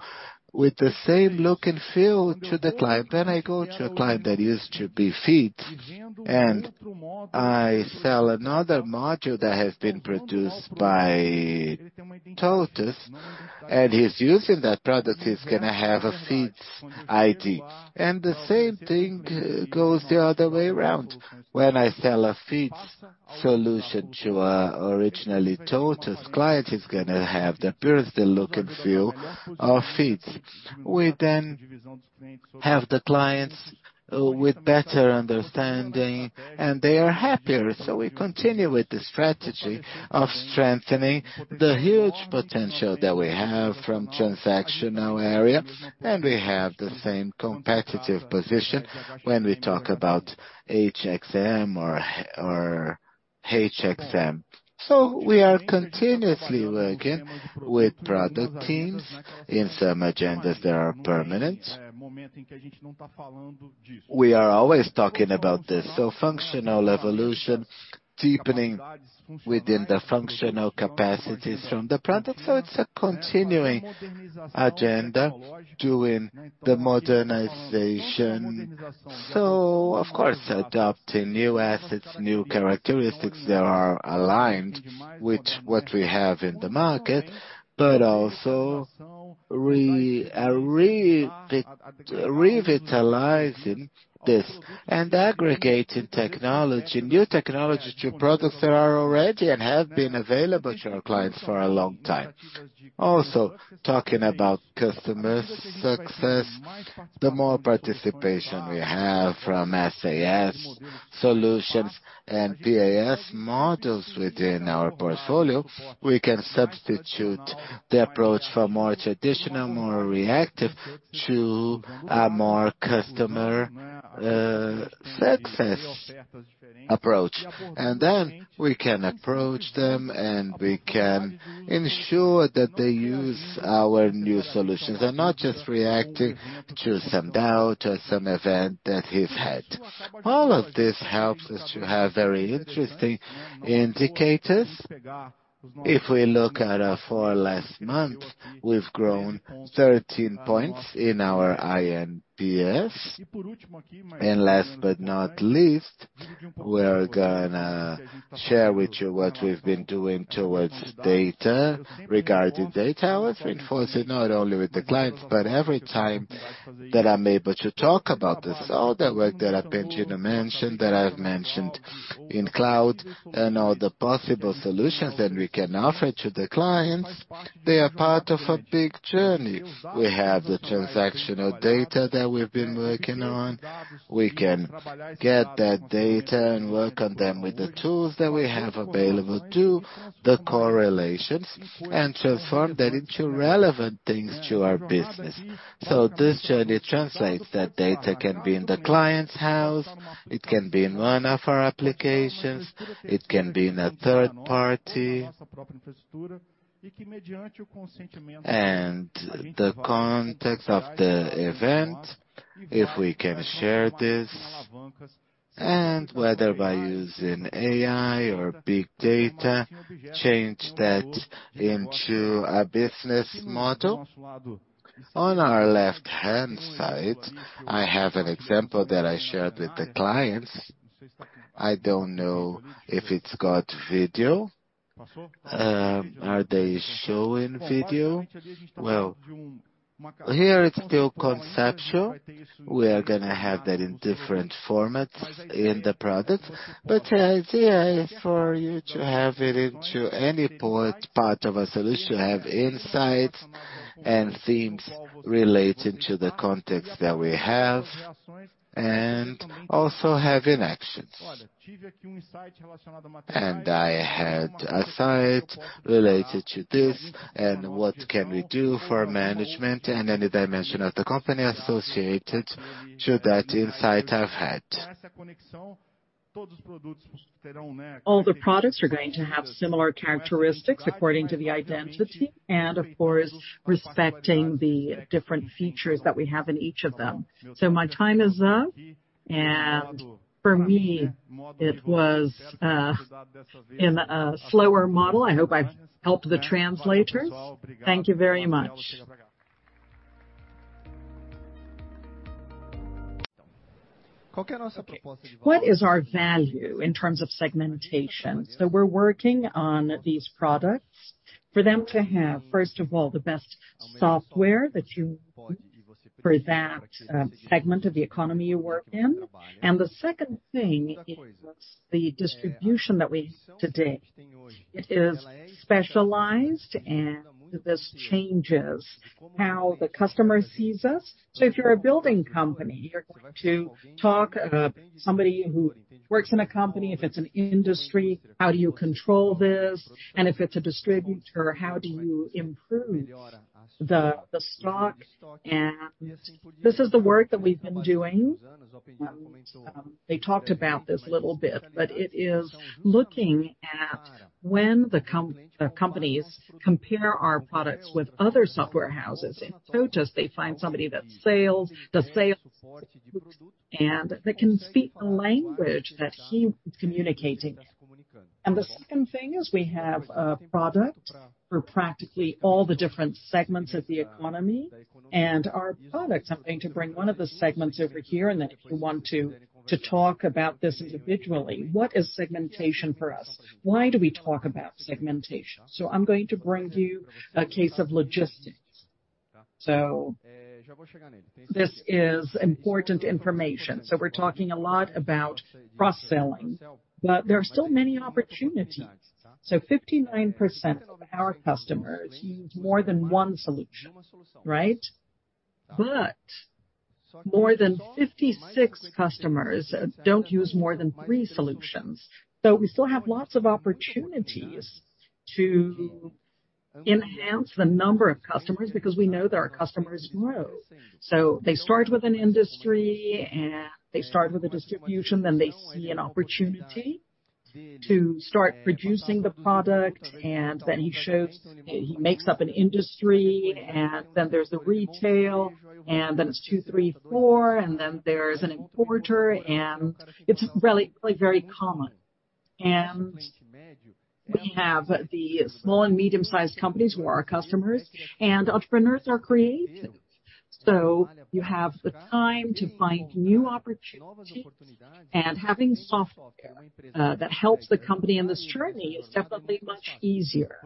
with the same look and feel to the client. I go to a client that used to be Feedz, and I sell another module that has been produced by TOTVS, and he's using that product, he's gonna have a Feedz ID. The same thing goes the other way around. When I sell a Feedz solution to originally TOTVS client, he's gonna have the purity look and feel of Feedz. We have the clients with better understanding, and they are happier. We continue with the strategy of strengthening the huge potential that we have from transactional area, and we have the same competitive position when we talk about HXM or HXM. We are continuously working with product teams. In some agendas, they are permanent. We are always talking about this, so functional evolution, deepening within the functional capacities from the product. It's a continuing agenda doing the modernization. Of course, adopting new assets, new characteristics that are aligned with what we have in the market, but also revitalizing this and aggregating technology, new technology to products that are already and have been available to our clients for a long time. Talking about customer success, the more participation we have from SaaS solutions and PaaS models within our portfolio, we can substitute the approach for more traditional, more reactive to a more customer success approach. We can approach them, and we can ensure that they use our new solutions and not just reacting to some doubt or some event that he's had. All of this helps us to have very interesting indicators. If we look at for last month, we've grown 13 points in our iNPS. Last but not least, we're gonna share with you what we've been doing towards data. Regarding data, I would reinforce it not only with the clients, but every time that I'm able to talk about this, all the work that I've been trying to mention, that I've mentioned in cloud and all the possible solutions that we can offer to the clients, they are part of a big journey. We have the transactional data that we've been working on. We can get that data and work on them with the tools that we have available to the correlations and transform that into relevant things to our business. This journey translates that data can be in the client's house, it can be in one of our applications, it can be in a third party. The context of the event, if we can share this, and whether by using AI or big data, change that into a business model. On our left-hand side, I have an example that I shared with the clients. I don't know if it's got video. Are they showing video? Well, here it's still conceptual. We are gonna have that in different formats in the products, but the idea is for you to have it into any part of a solution, have insights and themes relating to the context that we have, and also having actions. I had a site related to this and what can we do for management and any dimension of the company associated to that insight I've had. All the products are going to have similar characteristics according to the identity and, of course, respecting the different features that we have in each of them. My time is up, and for me, it was in a slower model. I hope I've helped the translators. Thank you very much. What is our value in terms of segmentation? We're working on these products for them to have, first of all, the best software that you for that segment of the economy you work in. The second thing is the distribution that we have today. It is specialized, and this changes how the customer sees us. If you're a building company, you're going to talk somebody who works in a company, if it's an industry, how do you control this? If it's a distributor, how do you improve this? The stock. This is the work that we've been doing. They talked about this a little bit, but it is looking at when the companies compare our products with other software houses. In TOTVS, they find somebody that sales, the sales, and that can speak the language that he is communicating in. The second thing is, we have a product for practically all the different segments of the economy, and our products. I'm going to bring one of the segments over here, and then if you want to talk about this individually, what is segmentation for us? Why do we talk about segmentation? I'm going to bring you a case of logistics. This is important information. We're talking a lot about cross-selling, but there are still many opportunities. 59% of our customers use more than one solution, right? More than 56 customers don't use more than three solutions. We still have lots of opportunities to enhance the number of customers, because we know that our customers grow. They start with an industry and they start with a distribution, then they see an opportunity to start producing the product, and then he makes up an industry, and then there's the retail, and then it's two, three, four, and then there's an importer, and it's really, very common. We have the small and medium-sized companies who are our customers, and entrepreneurs are creative. You have the time to find new opportunities, and having software that helps the company in this journey is definitely much easier.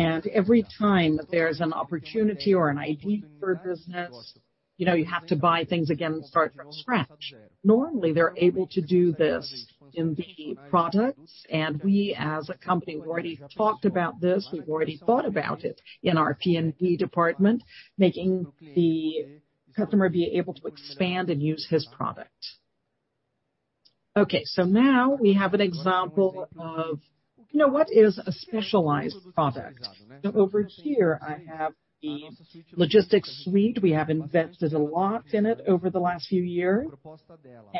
Every time there's an opportunity or an idea for a business, you know, you have to buy things again and start from scratch. Normally, they're able to do this in the products. We, as a company, we've already talked about this, we've already thought about it in our P&D department, making the customer be able to expand and use his product. Now we have an example of, you know, what is a specialized product? Over here I have the logistics suite. We have invested a lot in it over the last few years.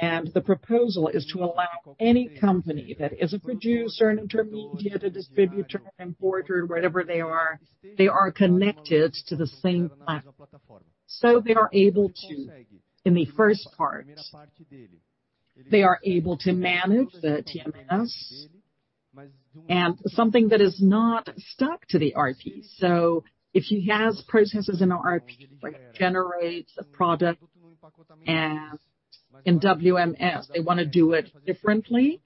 The proposal is to allow any company that is a producer, an intermediate, a distributor, importer, whatever they are, they are connected to the same platform. They are able to, in the first part, they are able to manage the TMS. Something that is not stuck to the ERP. If he has processes in our ERP, like generates a product and in WMS, they want to do it differently.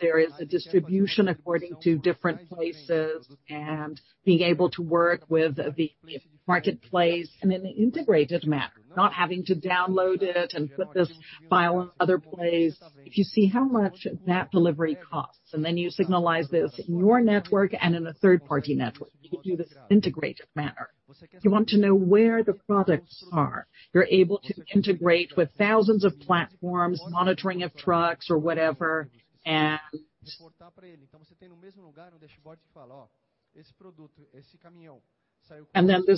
There is a distribution according to different places, and being able to work with the marketplace in an integrated manner, not having to download it and put this file in other place. If you see how much that delivery costs, and then you signalize this in your network and in a third-party network, you can do this in an integrated manner. You want to know where the products are. You're able to integrate with thousands of platforms, monitoring of trucks or whatever. This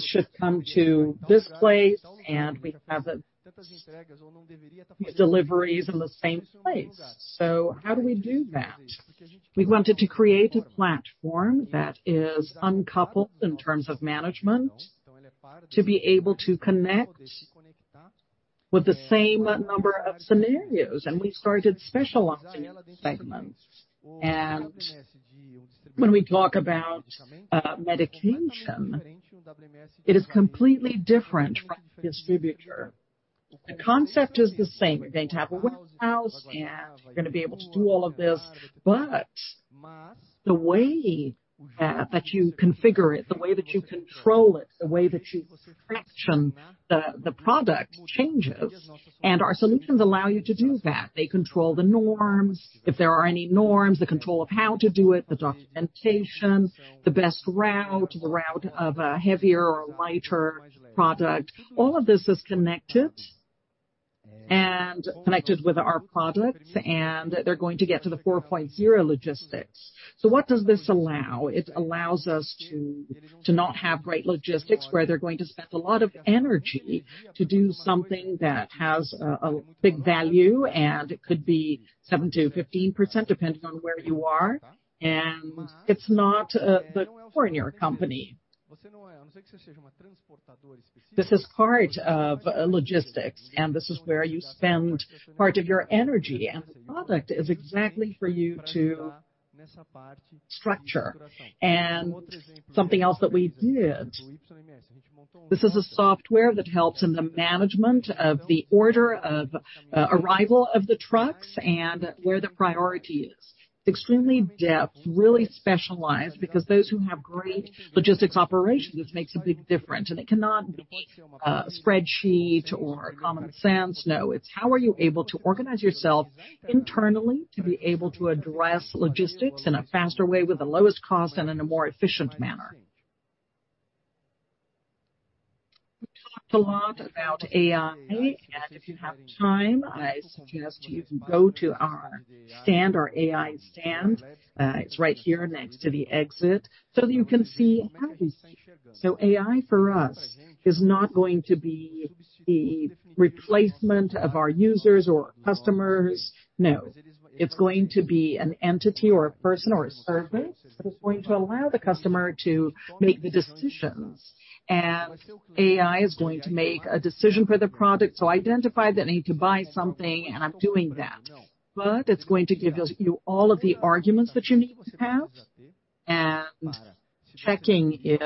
should come to this place, and we have the deliveries in the same place. How do we do that? We wanted to create a platform that is uncoupled in terms of management, to be able to connect with the same number of scenarios, and we started specializing segments. When we talk about medication, it is completely different from distributor. The concept is the same. You're going to have a warehouse, and you're going to be able to do all of this, but the way that you configure it, the way that you control it, the way that you fraction the product changes. Our solutions allow you to do that. They control the norms. If there are any norms, the control of how to do it, the documentation, the best route, the route of a heavier or lighter product, all of this is connected, and connected with our products. They're going to get to the 4.0 logistics. What does this allow? It allows us to not have great logistics, where they're going to spend a lot of energy to do something that has a big value, and it could be 7%-15%, depending on where you are, and it's not the core in your company. This is part of logistics, and this is where you spend part of your energy, and the product is exactly for you to structure. Something else that we did, this is a software that helps in the management of the order of arrival of the trucks and where the priority is. Extremely depth, really specialized, because those who have great logistics operations, this makes a big difference, and it cannot be a spreadsheet or common sense. No, it's how are you able to organize yourself internally to be able to address logistics in a faster way, with the lowest cost and in a more efficient manner. Talked a lot about AI. If you have time, I suggest you go to our stand, our AI stand. It's right here next to the exit, so that you can see how it is. AI, for us, is not going to be the replacement of our users or customers. No, it's going to be an entity, or a person, or a service that is going to allow the customer to make the decisions. AI is going to make a decision for the product, so identify the need to buy something, and I'm doing that. It's going to give us, you all of the arguments that you need to have, and checking if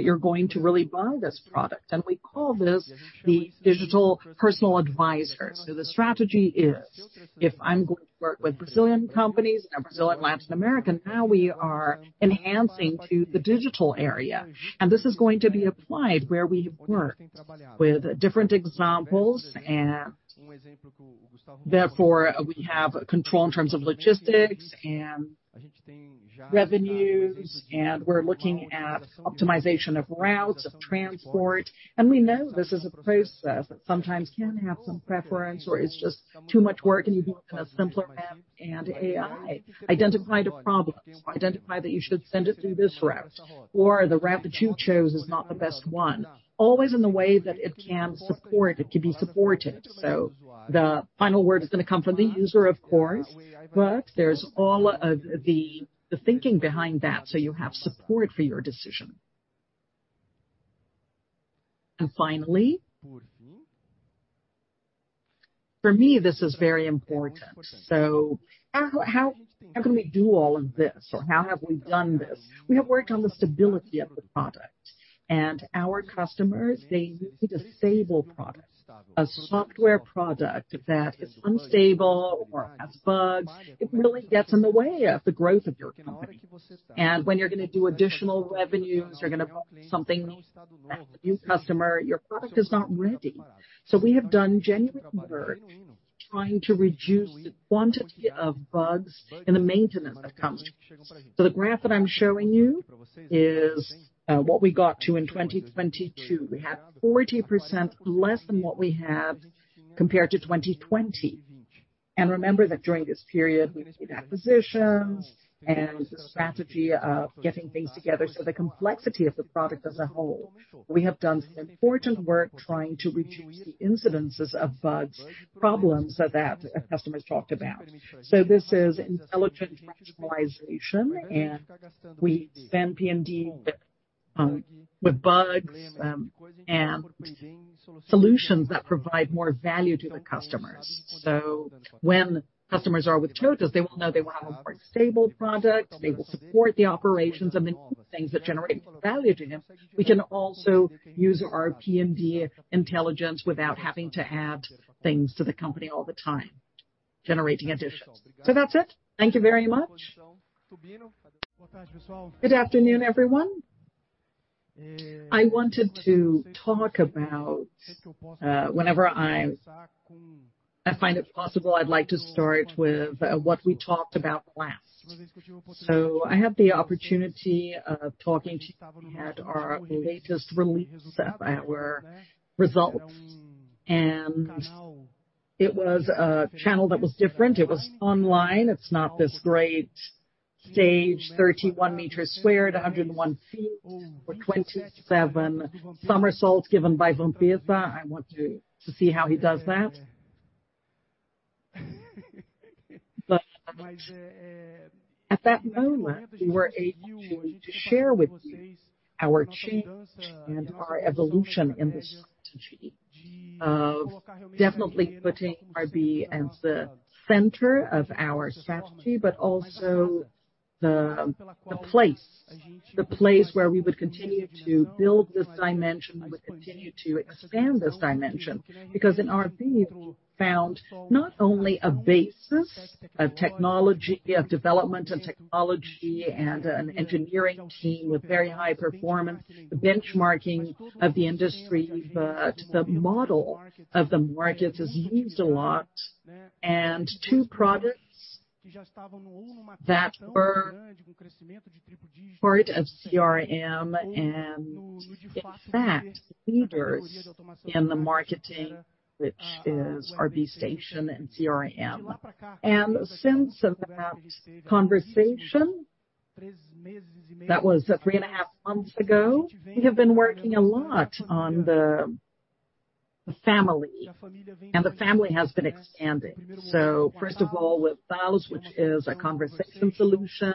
you're going to really buy this product, and we call this the digital personal advisor. The strategy is, if I'm going to work with Brazilian companies and Brazilian, Latin American, now we are enhancing to the digital area, and this is going to be applied where we have worked with different examples and therefore, we have control in terms of logistics and revenues, and we're looking at optimization of routes, of transport. We know this is a process that sometimes can have some preference, or it's just too much work, and you work in a simpler way. AI, identify the problems, identify that you should send it through this route, or the route that you chose is not the best one, always in the way that it can be supported. The final word is going to come from the user, of course, but there's all of the thinking behind that, so you have support for your decision. Finally, for me, this is very important. How can we do all of this, or how have we done this? We have worked on the stability of the product, and our customers, they use disabled products. A software product that is unstable or has bugs, it really gets in the way of the growth of your company. When you're going to do additional revenues, you're going to build something new, a new customer, your product is not ready. We have done genuine work trying to reduce the quantity of bugs in the maintenance of customers. The graph that I'm showing you is what we got to in 2022. We had 40% less than what we had compared to 2020. Remember that during this period, we made acquisitions and the strategy of getting things together. The complexity of the product as a whole, we have done some important work trying to reduce the incidences of bugs, problems that customers talked about. This is intelligent rationalization, and we spend P&D with bugs and solutions that provide more value to the customers. When customers are with TOTVS, they will know they want a more stable product, they will support the operations and the things that generate value to them. We can also use our P&D intelligence without having to add things to the company all the time, generating additions. That's it. Thank you very much. Good afternoon, everyone. I wanted to talk about. Whenever I find it possible, I'd like to start with what we talked about last. I had the opportunity of talking to you at our latest release, at our results. It was a channel that was different. It was online. It's not this great stage, 31 meters squared, 101 feet, with 27 somersaults given by Vompiessa. I want to see how he does that. At that moment, we were able to share with you our change and our evolution in the strategy of definitely putting R&D as the center of our strategy, but also the place where we would continue to build this dimension. We would continue to expand this dimension, because in R&D, we found not only a basis of technology, of development and technology, and an engineering team with very high performance, the benchmarking of the industry, but the model of the market has used a lot, and two products that were part of CRM, and in fact, leaders in the marketing, which is RD Station and CRM. Since that conversation, that was three and a half months ago, we have been working a lot on the family, and the family has been expanding. First of all, with Tallos, which is a conversation solution,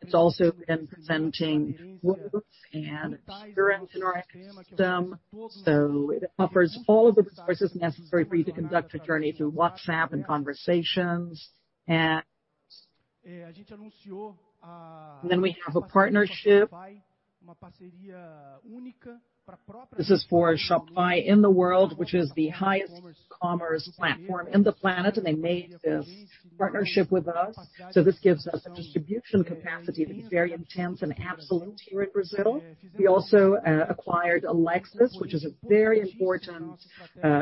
it's also been presenting chatbots and experience in our system. It offers all of the resources necessary for you to conduct a journey through WhatsApp and conversations. We have a partnership. This is for Shopify in the world, which is the highest commerce platform in the planet, and they made this partnership with us. This gives us a distribution capacity that is very intense and absolute here in Brazil. We also acquired Lexos, which is a very important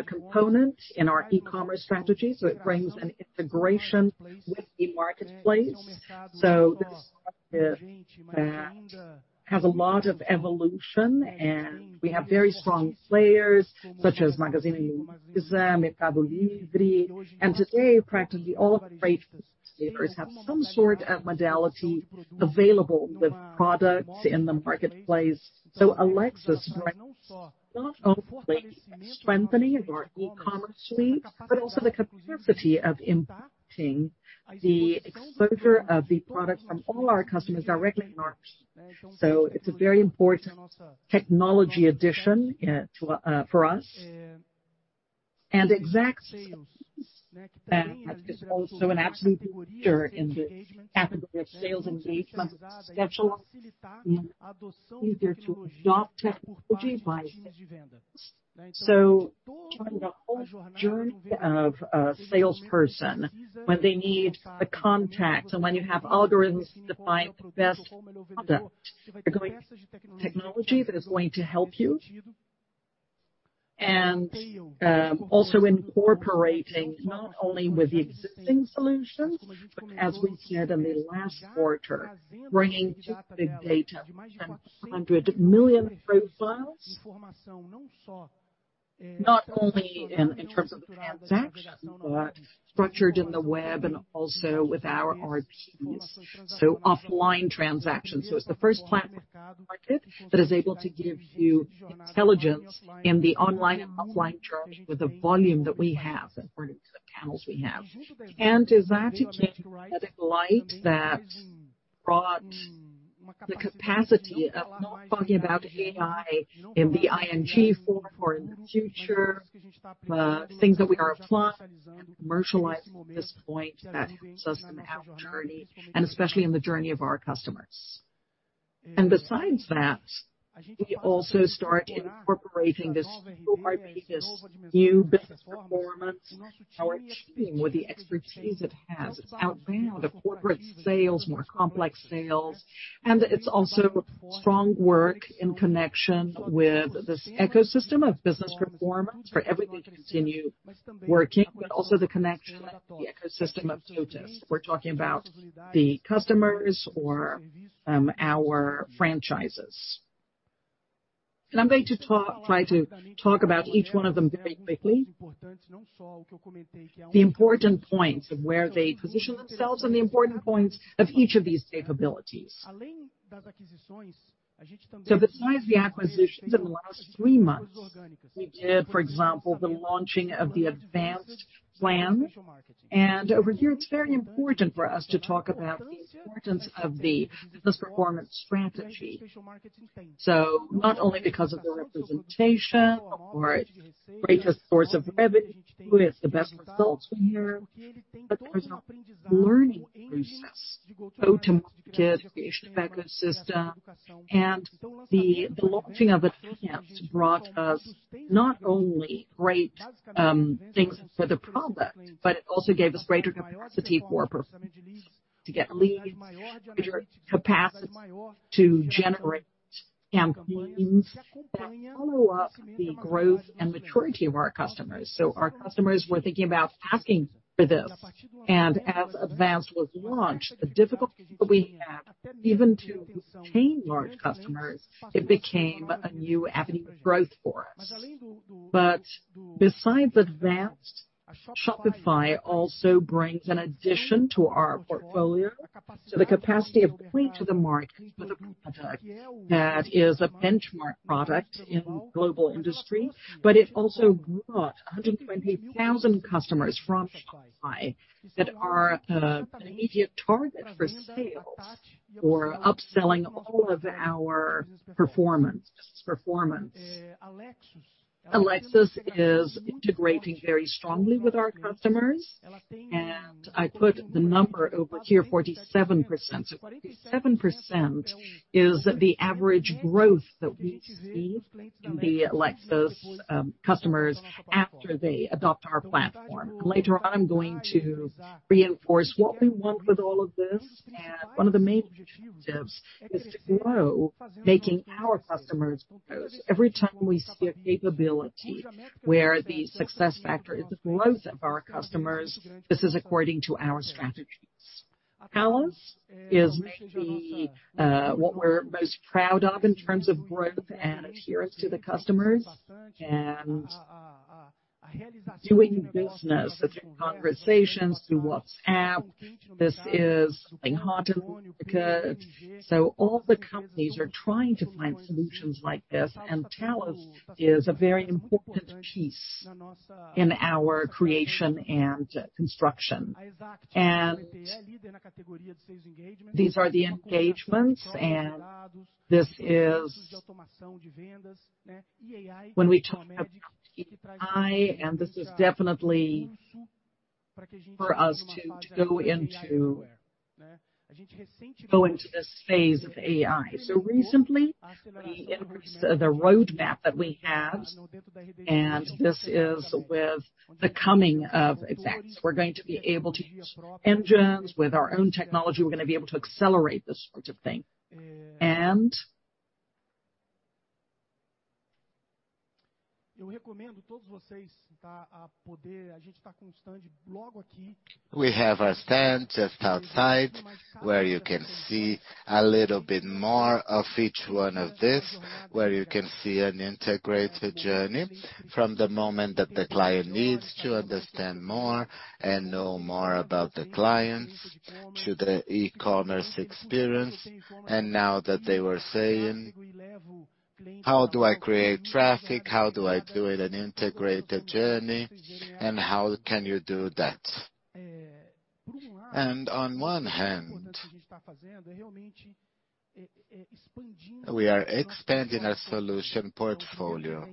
component in our e-commerce strategy, so it brings an integration with the marketplace. That has a lot of evolution, and we have very strong players such as Magazine Luiza, Mercado Libre, and today, practically all freight players have some sort of modality available with products in the marketplace. Lexos, not only strengthening our e-commerce suite, but also the capacity of impacting the exposure of the products from all our customers directly in the market. It's a very important technology addition to for us. Exact Sales, that is also an absolute leader in the category of sales engagement, schedules, easier to adopt technology by. During the whole journey of a salesperson, when they need the contact and when you have algorithms to find the best product, technology that is going to help you. Also incorporating not only with the existing solutions, but as we said in the last quarter, bringing big data and 100 million profiles, not only in terms of the transaction, but structured in the web and also with our ERPs. Offline transactions. It's the first platform market that is able to give you intelligence in the online and offline journey with the volume that we have, according to the channels we have. Exact again, that light that brought the capacity of not talking about AI in the ING form or in the future, things that we are applying and commercializing at this point, that helps us in the half journey and especially in the journey of our customers. Besides that, we also start incorporating this new business performance, how we're achieving with the expertise it has. It's outbound, corporate sales, more complex sales, and it's also strong work in connection with this ecosystem of business performance for everything to continue working, but also the connection, the ecosystem of TOTVS. We're talking about the customers or our franchises. I'm going to try to talk about each one of them very quickly. The important points of where they position themselves and the important points of each of these capabilities. Besides the acquisitions, in the last three months, we did, for example, the launching of the Advanced plan. Over here, it's very important for us to talk about the importance of the business performance strategy. Not only because of the representation or greatest source of revenue, it's the best results we hear, but there's a learning process, go-to-market creation, effective system, and the launching of Advanced brought us not only great things for the product, but it also gave us greater capacity for performance, to get leads, greater capacity to generate campaigns that follow up the growth and maturity of our customers. Our customers were thinking about asking for this, and as Advanced was launched, the difficulty that we had, even to retain large customers, it became a new avenue of growth for us. Besides Advanced, Shopify also brings an addition to our portfolio, the capacity of point to the market with a product that is a benchmark product in global industry, but it also brought 120,000 customers from Shopify that are an immediate target for sales or upselling all of our performance. Lexos is integrating very strongly with our customers, and I put the number over here, 47%. Forty-seven percent is the average growth that we see in the Lexos customers after they adopt our platform. Later on, I'm going to reinforce what we want with all of this, one of the main objectives is to grow, making our customers grow. Every time we see a capability where the success factor is the growth of our customers, this is according to our strategies. Tallos is maybe what we're most proud of in terms of growth and adherence to the customers and doing business through conversations, through WhatsApp. This is something hot in America. All the companies are trying to find solutions like this, Tallos is a very important piece in our creation and construction. These are the engagements. When we talk about AI, this is definitely for us to go into this phase of AI. Recently, we increased the roadmap that we have, this is with the coming of Exact. We're going to be able to use engines with our own technology. We're going to be able to accelerate this sort of thing. I recommend all of you to, poder, we have our stand just outside, where you can see a little bit more of each one of this, where you can see an integrated journey from the moment that the client needs to understand more and know more about the clients, to the e-commerce experience. Now that they were saying, how do I create traffic? How do I do it an integrated journey? How can you do that? On one hand, we are expanding our solution portfolio.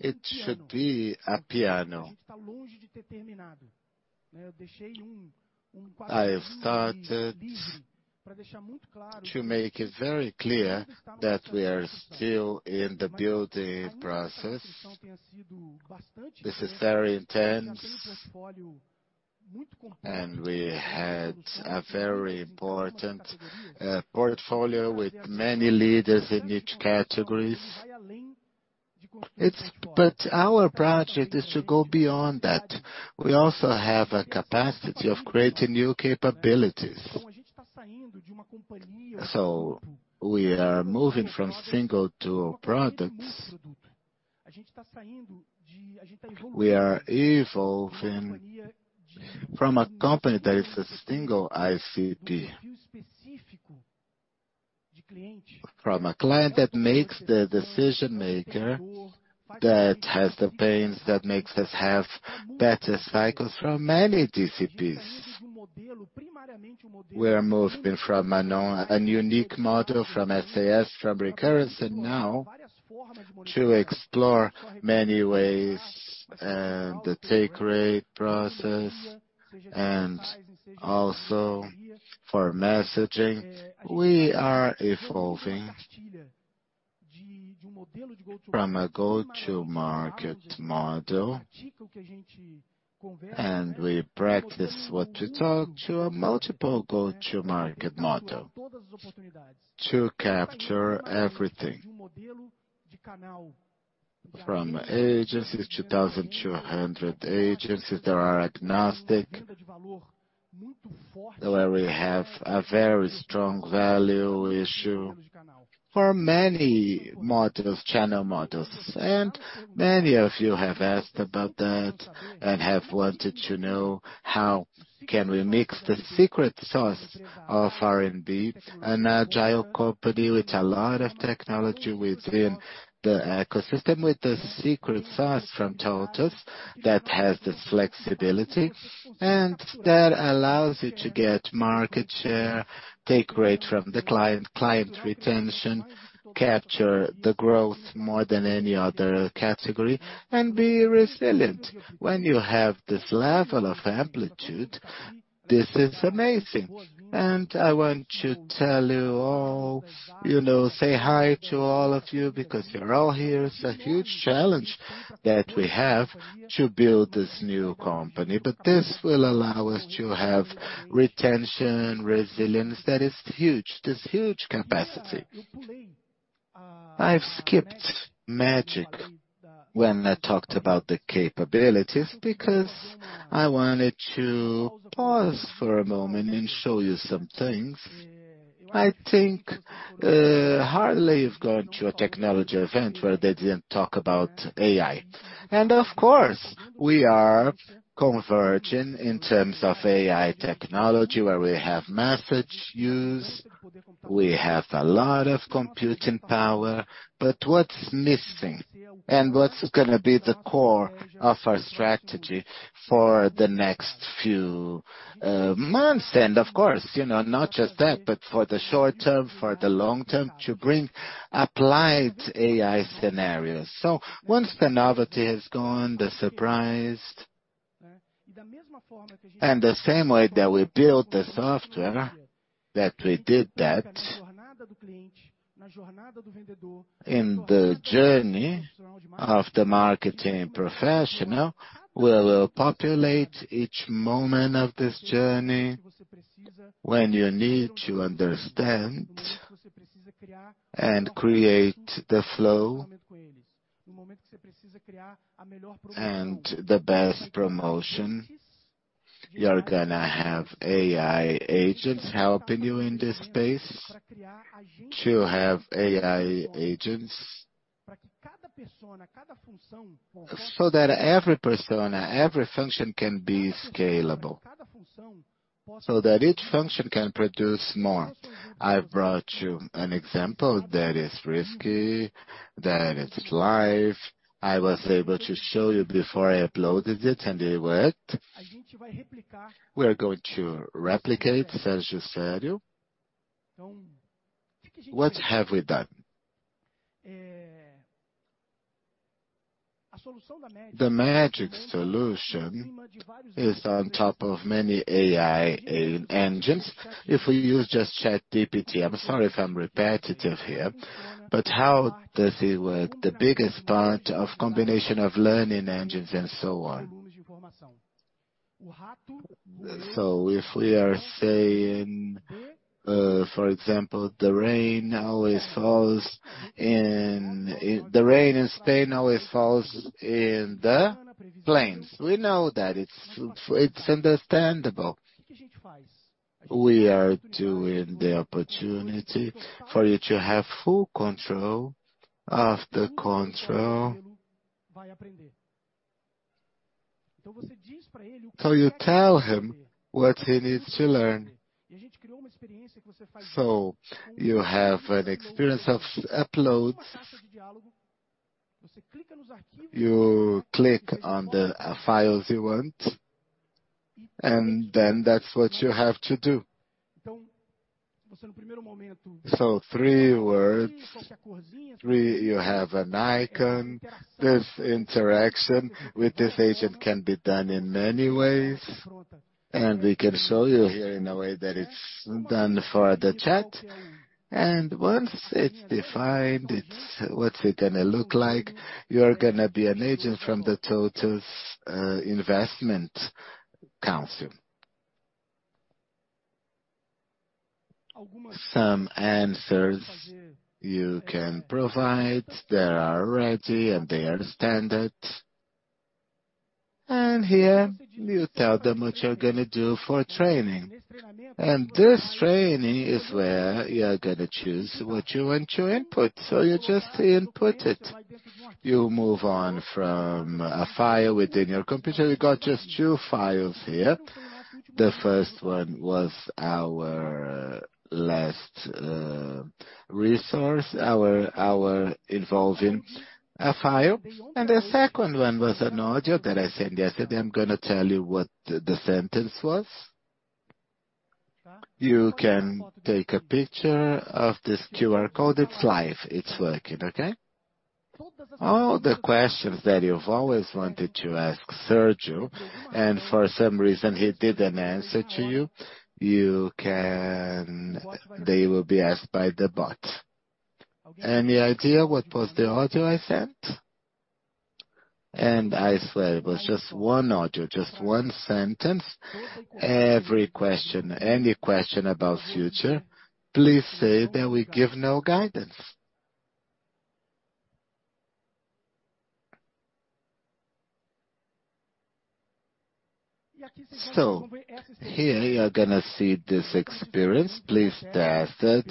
It should be a piano. I have started to make it very clear that we are still in the building process. This is very intense, and we had a very important, portfolio with many leaders in each categories. But our project is to go beyond that. We also have a capacity of creating new capabilities. We are moving from single to products. We are evolving from a company that is a single ICP. From a client that makes the decision maker, that has the pains, that makes us have better cycles from many DCPs. We are moving from a unique model, from SaaS, from recurrence, and now to explore many ways and the take rate process, and also for messaging. We are evolving from a go-to-market model, we practice what we talk to, a multiple go-to-market model to capture everything. From agencies, 2,200 agencies that are agnostic, where we have a very strong value issue for many models, channel models. Many of you have asked about that and have wanted to know how can we mix the secret sauce of R&D, an agile company with a lot of technology within the ecosystem, with the secret sauce from TOTVS that has this flexibility, that allows you to get market share, take rate from the client retention, capture the growth more than any other category, and be resilient. When you have this level of amplitude, this is amazing. I want to tell you all, you know, say hi to all of you, because you're all here. It's a huge challenge that we have to build this new company, but this will allow us to have retention, resilience. That is huge, this huge capacity. I've skipped Magic when I talked about the capabilities, because I wanted to pause for a moment and show you some things. I think, hardly you've gone to a technology event where they didn't talk about AI. Of course, we are converging in terms of AI technology, where we have message use, we have a lot of computing power, but what's missing? What's gonna be the core of our strategy for the next few months? Of course, you know, not just that, but for the short term, for the long term, to bring applied AI scenarios. Once the novelty has gone, the surprised, and the same way that we built the software, that we did that, in the journey of the marketing professional, we will populate each moment of this journey when you need to understand and create the flow and the best promotion. You're gonna have AI agents helping you in this space to have AI agents, so that every persona, every function, can be scalable, so that each function can produce more. I brought you an example that is risky, that is live. I was able to show you before I uploaded it, and it worked. We are going to replicate, Sergio said. What have we done? The Magic solution is on top of many AI engines. If we use just ChatGPT, I'm sorry if I'm repetitive here, but how does it work? The biggest part of combination of learning engines and so on. If we are saying, for example, the rain in Spain always falls in the plains. We know that, it's understandable. We are doing the opportunity for you to have full control of the control. You tell him what he needs to learn. You have an experience of uploads, you click on the files you want, that's what you have to do. Three words, three, you have an icon. This interaction with this agent can be done in many ways, and we can show you here in a way that it's done for the chat. Once it's defined, what's it gonna look like? You're gonna be an agent from the TOTVS Investment Council. Some answers you can provide, they are ready, and they are standard. Here, you tell them what you're gonna do for training, and this training is where you're gonna choose what you want to input, you just input it. You move on from a file within your computer. You got just two files here. The first one was our last resource, our involving a file. The second one was an audio that I sent yesterday. I'm gonna tell you what the sentence was. You can take a picture of this QR code. It's live, it's working, okay? All the questions that you've always wanted to ask Sergio, for some reason, he didn't answer to you. They will be asked by the bot. Any idea what was the audio I sent? I swear it was just 1 audio, just 1 sentence. Every question, any question about future, please say that we give no guidance. Here you are gonna see this experience. Please test it,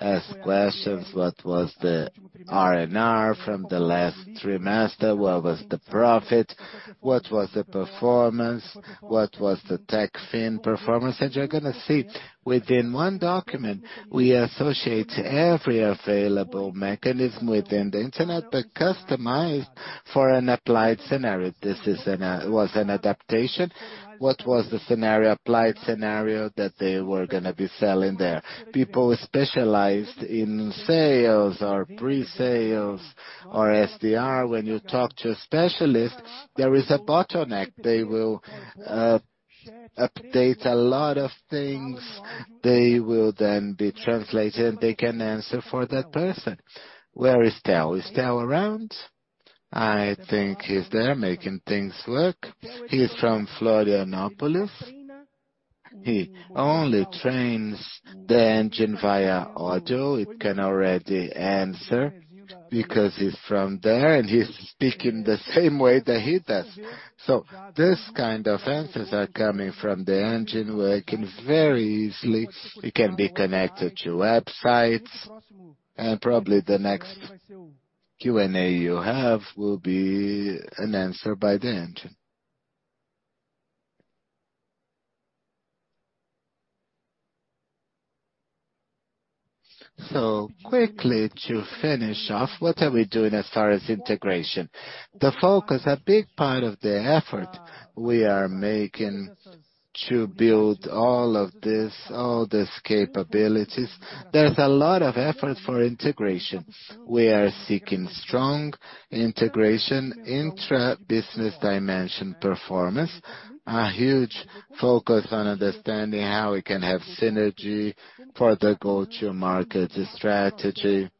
ask questions, what was the NRR from the last 3 master? What was the profit? What was the performance? What was the Techfin performance? You're gonna see within one document, we associate every available mechanism within the internet, but customized for an applied scenario. This was an adaptation. What was the scenario, applied scenario that they were gonna be selling there? People specialized in sales or pre-sales or SDR, when you talk to a specialist, there is a bottleneck. They will update a lot of things, they will then be translated, and they can answer for that person. Where is Theo? Is Theo around? I think he's there, making things work. He is from Florianópolis. He only trains the engine via audio. It can already answer because he's from there, and he's speaking the same way that he does. These kind of answers are coming from the engine, working very easily. It can be connected to websites, and probably the next Q&A you have will be an answer by the engine. Quickly to finish off, what are we doing as far as integration? The focus, a big part of the effort we are making to build all of this, all these capabilities, there's a lot of effort for integration. We are seeking strong integration, intra-business dimension performance, a huge focus on understanding how we can have synergy for the go-to-market strategy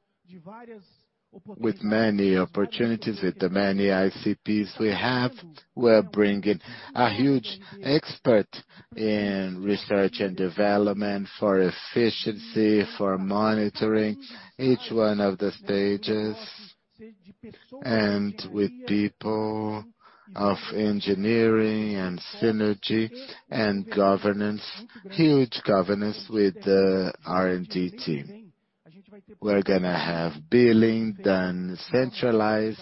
with many opportunities, with the many ICPs we have. We're bringing a huge expert in research and development for efficiency, for monitoring each one of the stages, and with people of engineering, and synergy, and governance, huge governance with the R&D team. We're gonna have billing done, centralized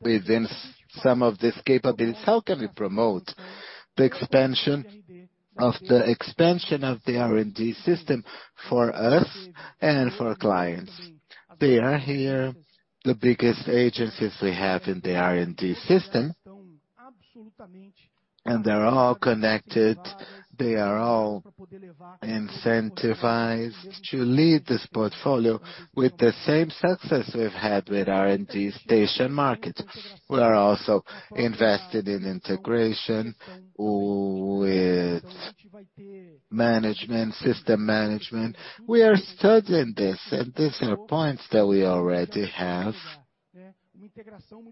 within some of these capabilities. How can we promote the expansion of the R&D system for us and for clients? They are here, the biggest agencies we have in the R&D system. They're all connected. They are all incentivized to lead this portfolio with the same success we've had with RD Station markets. We are also invested in integration with management, system management. We are studying this. These are points that we already have.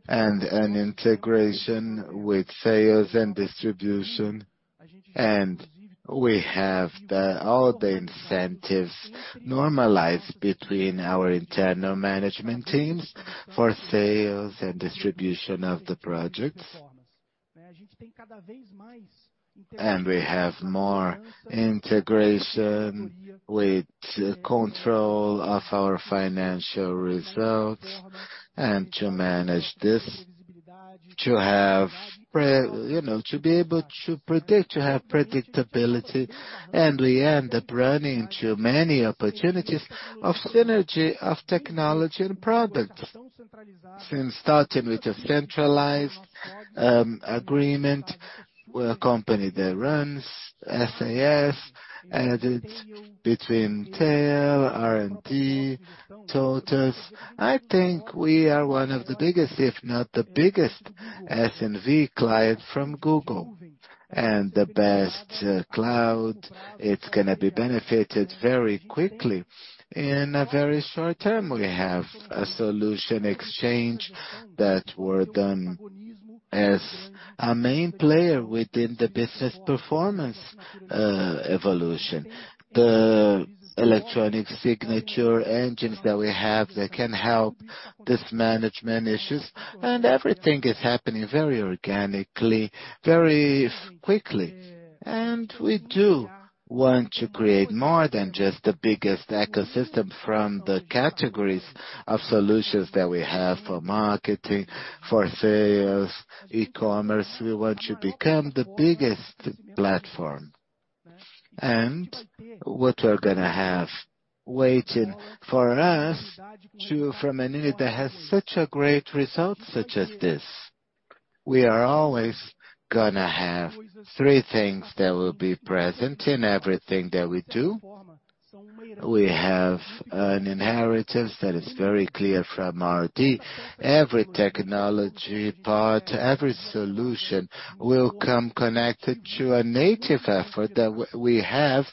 An integration with sales and distribution. We have all the incentives normalized between our internal management teams for sales and distribution of the projects. We have more integration with control of our financial results and to manage this, to have you know, to be able to predict, to have predictability, and we end up running into many opportunities of synergy, of technology and products. Since starting with a centralized agreement with a company that runs SaaS, it's between Tail, R&D, TOTVS. I think we are one of the biggest, if not the biggest, SMB client from Google. The best cloud, it's going to be benefited very quickly. In a very short term, we have a solution exchange that was done as a main player within the business performance evolution. The electronic signature engines that we have that can help these management issues, and everything is happening very organically, very quickly. We do want to create more than just the biggest ecosystem from the categories of solutions that we have for marketing, for sales, e-commerce. We want to become the biggest platform. What we're gonna have waiting for us to, from an unit that has such a great result, such as this, we are always gonna have three things that will be present in everything that we do. We have an inheritance that is very clear from R&D. Every technology part, every solution, will come connected to a native effort that we have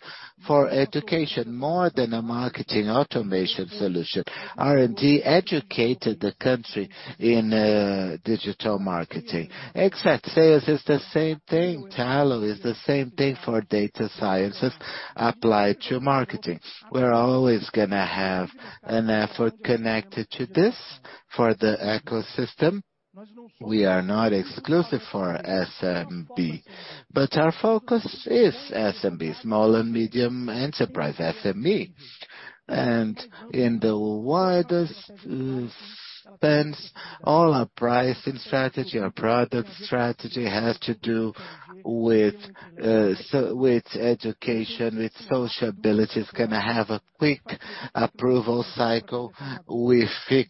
for education, more than a marketing automation solution. R&D educated the country in digital marketing. Exact Sales is the same thing. Tallos is the same thing for data sciences applied to marketing. We're always gonna have an effort connected to this for the ecosystem. We are not exclusive for SMB, but our focus is SMB, small and medium enterprise, SME. In the widest spends, all our pricing strategy, our product strategy has to do with, so with education, with sociabilities, gonna have a quick approval cycle. We fix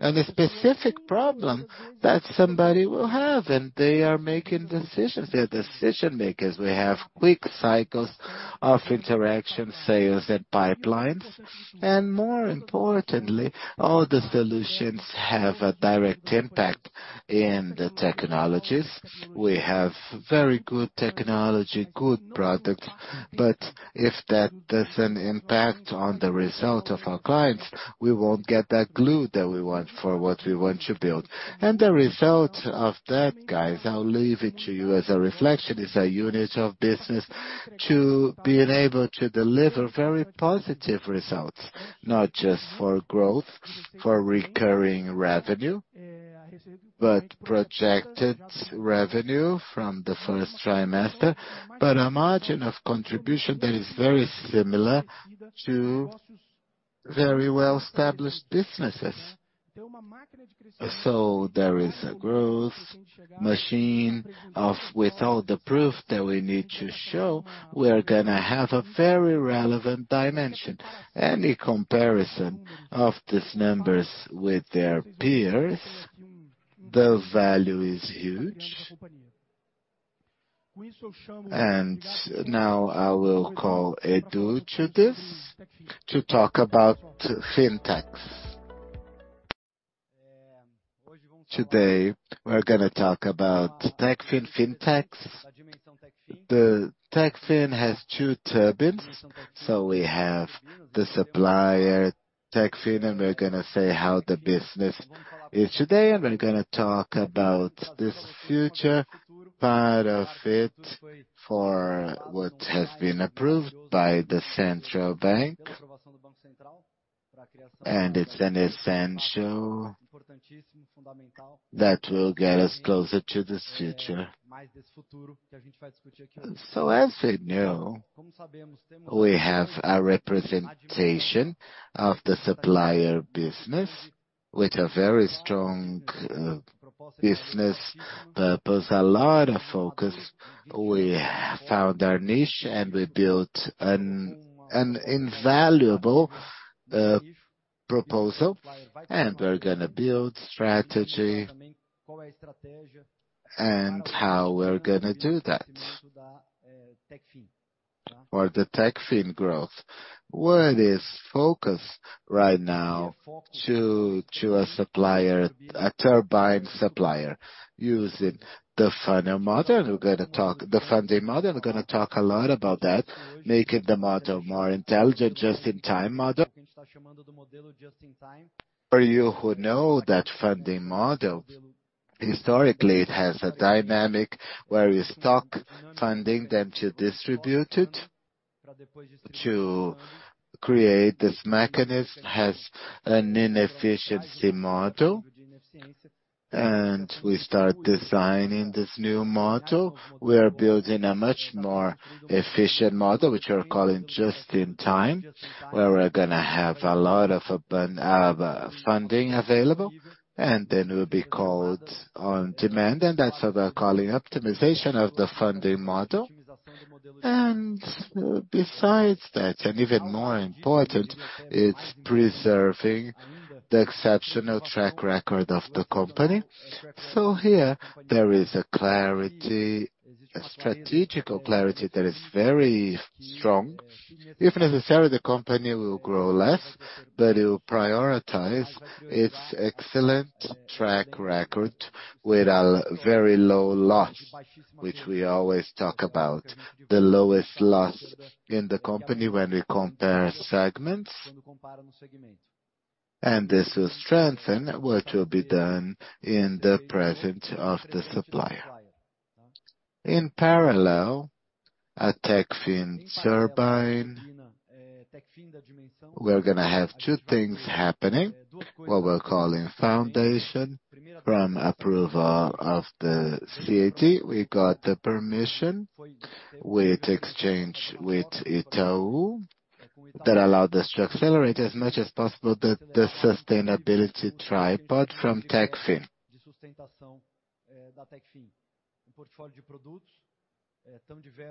on a specific problem that somebody will have, and they are making decisions. They're decision makers. We have quick cycles of interaction, sales and pipelines, and more importantly, all the solutions have a direct impact in the technologies. We have very good technology, good products, but if that doesn't impact on the result of our clients, we won't get that glue that we want for what we want to build. The result of that, guys, I'll leave it to you as a reflection, is a unit of business to being able to deliver very positive results, not just for growth, for recurring revenue, but projected revenue from the first trimester, but a margin of contribution that is very similar to very well-established businesses. There is a growth machine with all the proof that we need to show, we are gonna have a very relevant dimension. Any comparison of these numbers with their peers, the value is huge. Now I will call Edu to this to talk about Fintechs. Today, we're gonna talk about Techfin, Fintechs. The Techfin has two turbines, we have the Supplier Techfin, we're gonna say how the business is today, we're gonna talk about this future, part of it, for what has been approved by the Central Bank. It's an essential that will get us closer to this future. As you know, we have a representation of the supplier business with a very strong business purpose, a lot of focus. We found our niche, and we built an invaluable proposal, and we're gonna build strategy, and how we're gonna do that. For the Techfin growth, where it is focused right now to a supplier, a turbine supplier, using the funnel model. The funding model, we're gonna talk a lot about that, making the model more intelligent, just-in-time model. For you who know that funding model, historically, it has a dynamic where you stock funding, then to distribute it, to create this mechanism, has an inefficiency model, and we start designing this new model. We are building a much more efficient model, which we're calling just-in-time, where we're gonna have a lot of open funding available, and then it will be called on demand, and that's what we're calling optimization of the funding model. Besides that, and even more important, it's preserving the exceptional track record of the company. Here there is a clarity, a strategical clarity that is very strong. If necessary, the company will grow less, but it will prioritize its excellent track record with a very low loss, which we always talk about, the lowest loss in the company when we compare segments. This will strengthen what will be done in the presence of the Supplier. In parallel, at Techfin Turbine, we're gonna have 2 things happening, what we're calling foundation. From approval of the SCD, we got the permission with exchange, with Itaú, that allowed us to accelerate as much as possible the sustainability tripod from Techfin.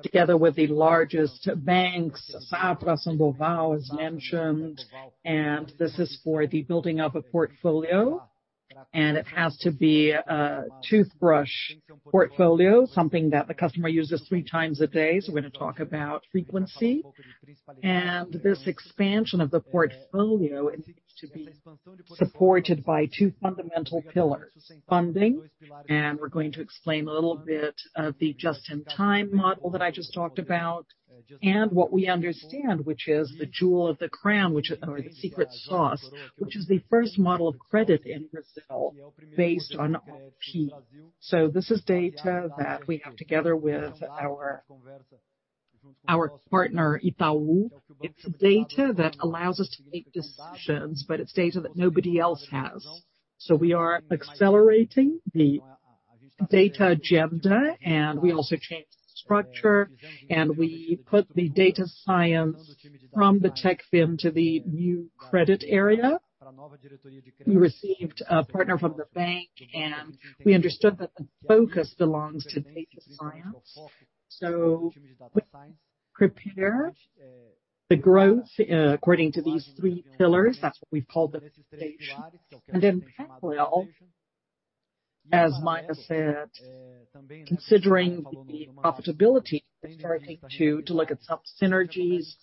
Together with the largest banks, Safra and Daycoval, as mentioned. This is for the building of a portfolio, and it has to be a toothbrush portfolio, something that the customer uses 3x a day. We're gonna talk about frequency. This expansion of the portfolio is to be supported by two fundamental pillars: funding, and we're going to explain a little bit of the just-in-time model that I just talked about, and what we understand, which is the jewel of the crown, which, or the secret sauce, which is the first model of credit in Brazil, based on P. This is data that we have together with our partner, Itaú. It's data that allows us to make decisions. It's data that nobody else has. We are accelerating the data agenda, and we also changed the structure, and we put the data science from the Techfin to the new credit area. We received a partner from the bank, and we understood that the focus belongs to data science. Prepare the growth according to these three pillars. That's what we've called the station. Then parallel, as Maya said, considering the profitability, starting to look at some synergies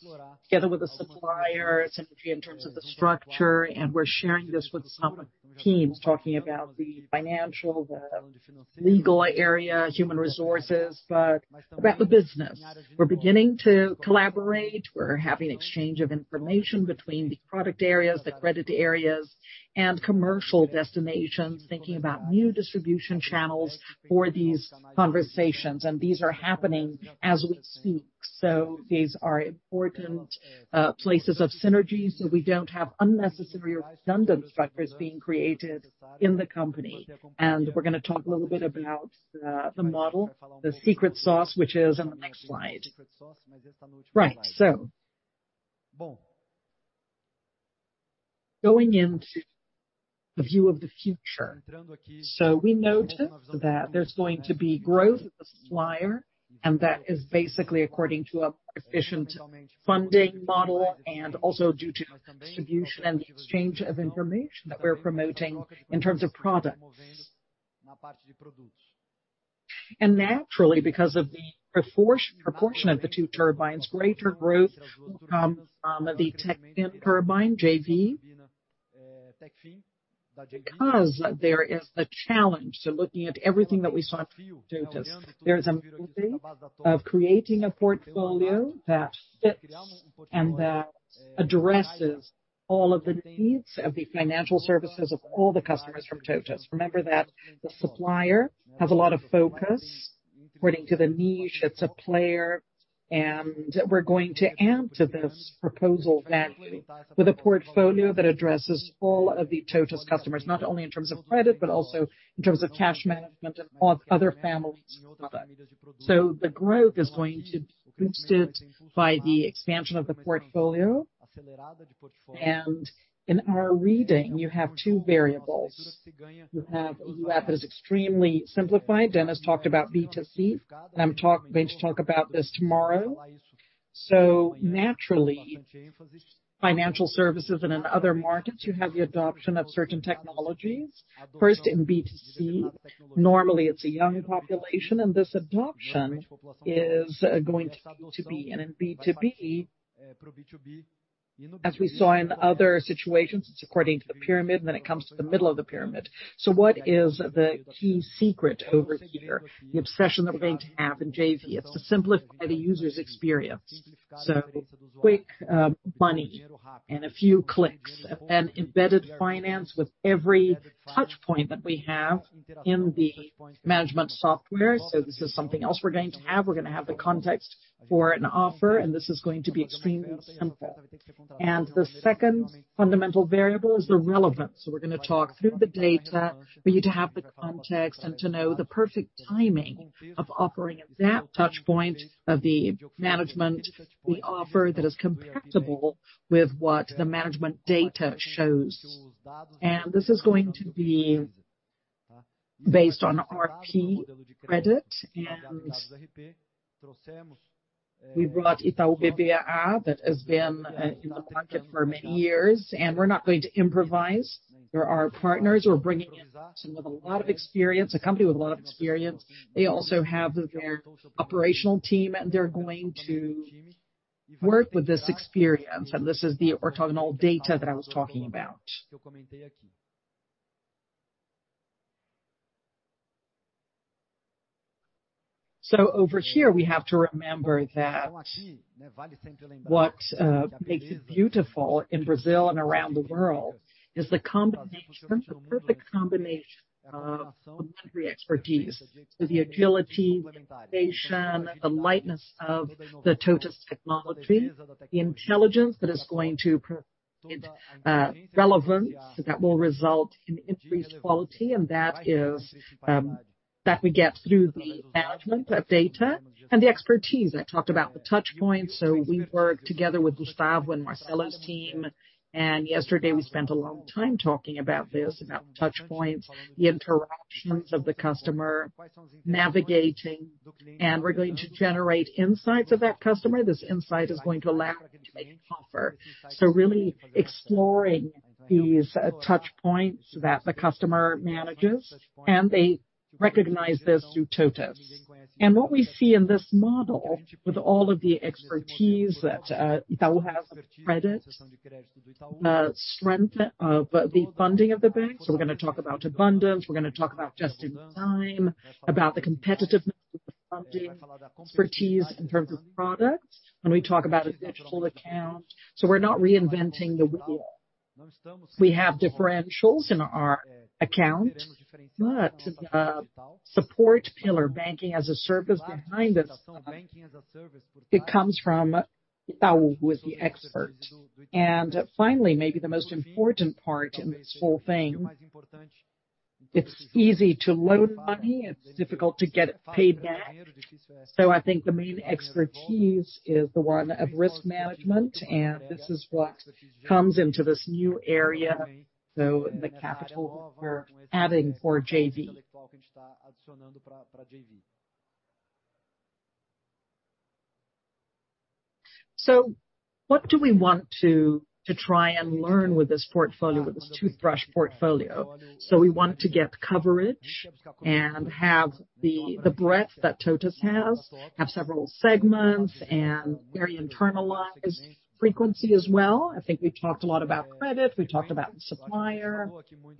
together with the Supplier, synergy in terms of the structure, and we're sharing this with some teams, talking about the financial, the legal area, human resources, but about the business. We're beginning to collaborate. We're having exchange of information between the product areas, the credit areas, and commercial destinations, thinking about new distribution channels for these conversations. These are happening as we speak. These are important places of synergy, so we don't have unnecessary or redundant structures being created in the company. We're gonna talk a little bit about the model, the secret sauce, which is on the next slide. Right. Going into the view of the future. We noticed that there's going to be growth of the Supplier, and that is basically according to a efficient funding model and also due to the distribution and the exchange of information that we're promoting in terms of products. Naturally, because of the proportion of the two turbines, greater growth will come from the Techfin turbine, JV, because there is a challenge. Looking at everything that we saw at TOTVS, there is a possibility of creating a portfolio that fits and that addresses all of the needs of the financial services of all the customers from TOTVS. Remember that the Supplier has a lot of focus according to the niche, it's a player, and we're going to add to this proposal value with a portfolio that addresses all of the TOTVS customers, not only in terms of credit, but also in terms of cash management and all other families of products. The growth is going to be boosted by the expansion of the portfolio. In our reading, you have two variables. You have the app that is extremely simplified. Dennis talked about B2C, and I'm going to talk about this tomorrow. Naturally, financial services and in other markets, you have the adoption of certain technologies. First in B2C, normally it's a young population, and this adoption is going to be. In B2B, as we saw in other situations, it's according to the pyramid, and then it comes to the middle of the pyramid. What is the key secret over here? The obsession that we're going to have in JV, it's to simplify the user's experience. Quick money, a few clicks, and embedded finance with every touch point that we have in the management software. This is something else we're going to have. We're going to have the context for an offer, and this is going to be extremely simple. The second fundamental variable is the relevance. We're gonna talk through the data for you to have the context and to know the perfect timing of offering at that touch point of the management, the offer that is compatible with what the management data shows. This is going to be based on ERP credit, and we brought Itaú BBA that has been in the pocket for many years, and we're not going to improvise. There are partners who are bringing in with a lot of experience, a company with a lot of experience. They also have their operational team, and they're going to work with this experience, and this is the orthogonal data that I was talking about. Over here, we have to remember that what makes it beautiful in Brazil and around the world is the combination, the perfect combination of three expertise: the agility, the innovation, the lightness of the TOTVS technology, the intelligence that is going to provide relevance, that will result in increased quality, and that is that we get through the management of data and the expertise. I talked about the touch points, we work together with Gustavo and Marcelo's team, and yesterday we spent a long time talking about this, about touch points, the interactions of the customer navigating, and we're going to generate insights of that customer. This insight is going to allow us to make an offer. Really exploring these touch points that the customer manages, and they recognize this through TOTVS. What we see in this model, with all of the expertise that Itaú has, credit, strength of the funding of the bank. We're gonna talk about abundance, we're gonna talk about just in time, about the competitiveness of the funding, expertise in terms of products, when we talk about a digital account. We're not reinventing the wheel. We have differentials in our accounts, but the support pillar, Banking as a Service behind us, it comes from Itaú, who is the expert. Finally, maybe the most important part in this whole thing, it's easy to load money, it's difficult to get it paid back. I think the main expertise is the one of risk management, and this is what comes into this new area, so the capital we're adding for JV. What do we want to try and learn with this portfolio, with this toothbrush portfolio? We want to get coverage and have the breadth that TOTVS has, have several segments and very internalized frequency as well. I think we talked a lot about credit, we talked about the Supplier.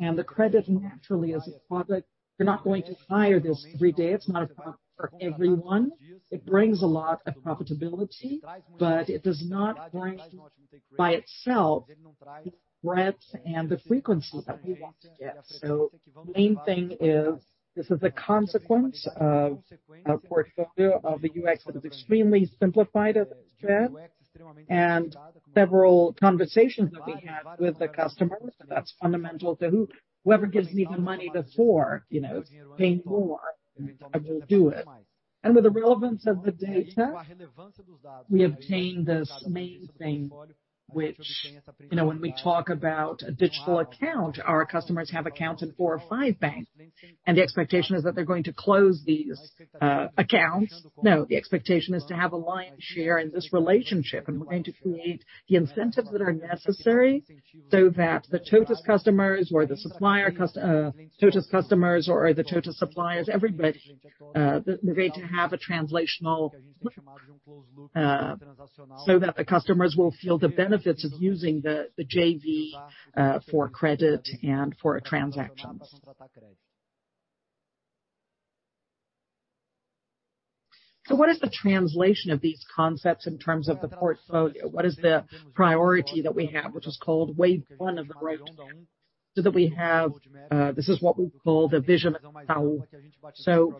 The credit naturally is a product. You're not going to hire this every day. It's not a product for everyone. It brings a lot of profitability, but it does not bring by itself the breadth and the frequency that we want to get. The main thing is, this is a consequence of a portfolio of the UX that is extremely simplified, as I said, and several conversations that we had with the customers, and that's fundamental to whoever gives me the money before, you know, paying more, I will do it. With the relevance of the data, we obtain this main thing, which, you know, when we talk about a digital account, our customers have accounts in 4 or 5 banks. The expectation is that they're going to close these accounts. No, the expectation is to have a lion's share in this relationship. We're going to create the incentives that are necessary so that the TOTVS customers or the TOTVS suppliers, everybody, they're going to have a translational so that the customers will feel the benefits of using the JV for credit and for transactions. What is the translation of these concepts in terms of the portfolio? What is the priority that we have, which is called wave one of the road map? That we have, this is what we call the vision of Itaú.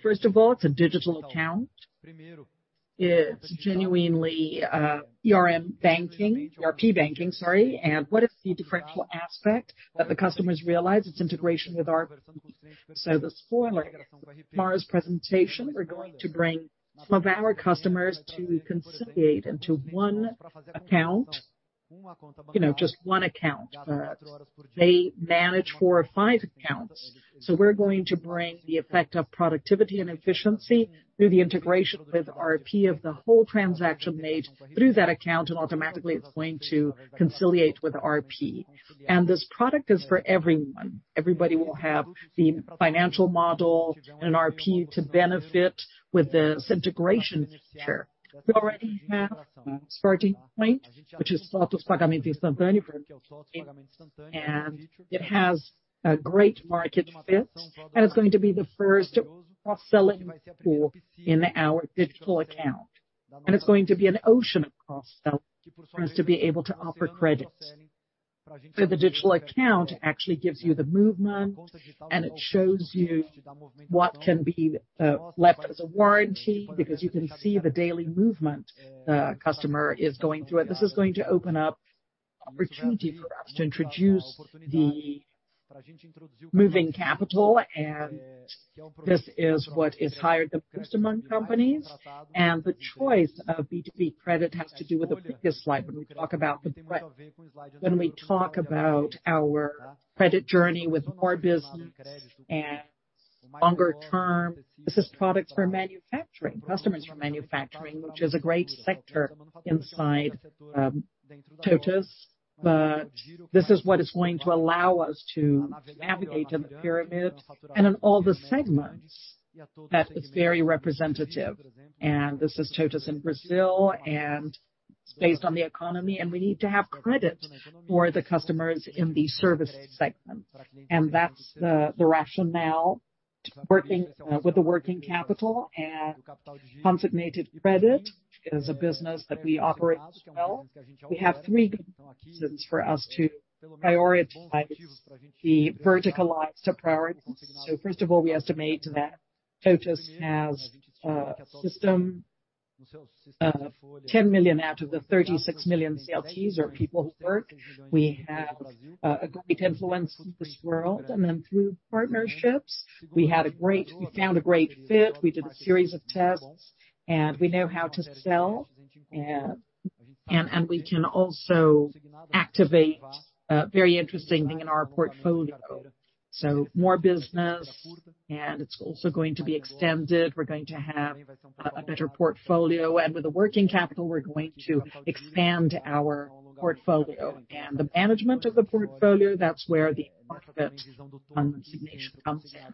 First of all, it's a digital account. It's genuinely, ERP banking, ERP banking, sorry. What is the differential aspect that the customers realize? It's integration with ERP. The spoiler, tomorrow's presentation, we're going to bring some of our customers to conciliate into one account, you know, just one account. They manage four or five accounts, we're going to bring the effect of productivity and efficiency through the integration with ERP of the whole transaction made through that account, automatically, it's going to conciliate with ERP. This product is for everyone. Everybody will have the financial model and ERP to benefit with this integration. Sure, we already have a starting point, which is Supplier Pagamento Instantâneo, and it has a great market fit, and it's going to be the first cross-selling for in our digital account. It's going to be an ocean of cross-sell for us to be able to offer credit. The digital account actually gives you the movement, and it shows you what can be left as a warranty, because you can see the daily movement the customer is going through, and this is going to open up opportunity for us to introduce the moving capital, and this is what is higher than post among companies. The choice of B2B credit has to do with the previous slide, when we talk about our credit journey with more business and longer term, this is products for manufacturing, customers for manufacturing, which is a great sector inside TOTVS, but this is what is going to allow us to navigate in the pyramid and in all the segments that is very representative. This is TOTVS in Brazil, and it's based on the economy, and we need to have credit for the customers in the service segment. That's the rationale, working with the working capital and consigned credit is a business that we operate well. We have three reasons for us to prioritize the verticalized priorities. First of all, we estimate that TOTVS has a system, 10 million out of the 36 million CLT or people who work. We have a great influence in this world, through partnerships, we found a great fit. We did a series of tests, and we know how to sell, and we can also activate a very interesting thing in our portfolio. More business, and it's also going to be extended. We're going to have a better portfolio, and with the working capital, we're going to expand our portfolio. The management of the portfolio, that's where the market consignation comes in.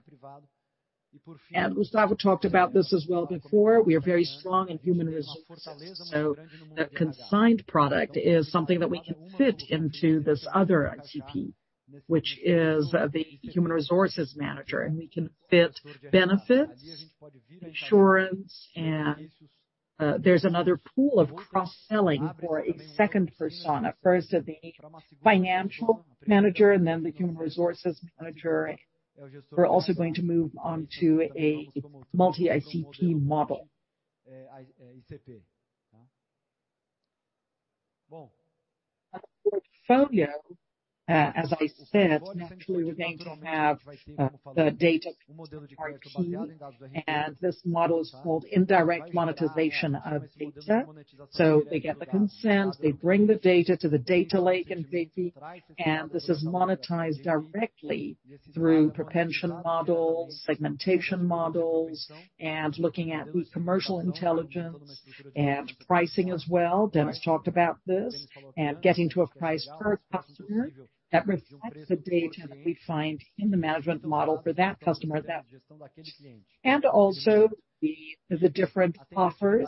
Gustavo talked about this as well before. We are very strong in human resources, so the consigned product is something that we can fit into this other ICP, which is the human resources manager, and we can fit benefits, insurance, and there's another pool of cross-selling for a second persona. First, the financial manager, and then the human resources manager. We're also going to move on to a multi-ICP model. Portfolio, as I said, naturally, we're going to have the data key, and this model is called indirect monetization of data. So they get the consent, they bring the data to the data lake in GCP, and this is monetized directly through propension models, segmentation models, and looking at commercial intelligence and pricing as well. Dennis talked about this, and getting to a price per customer that reflects the data that we find in the management model for that customer. Also the different offers.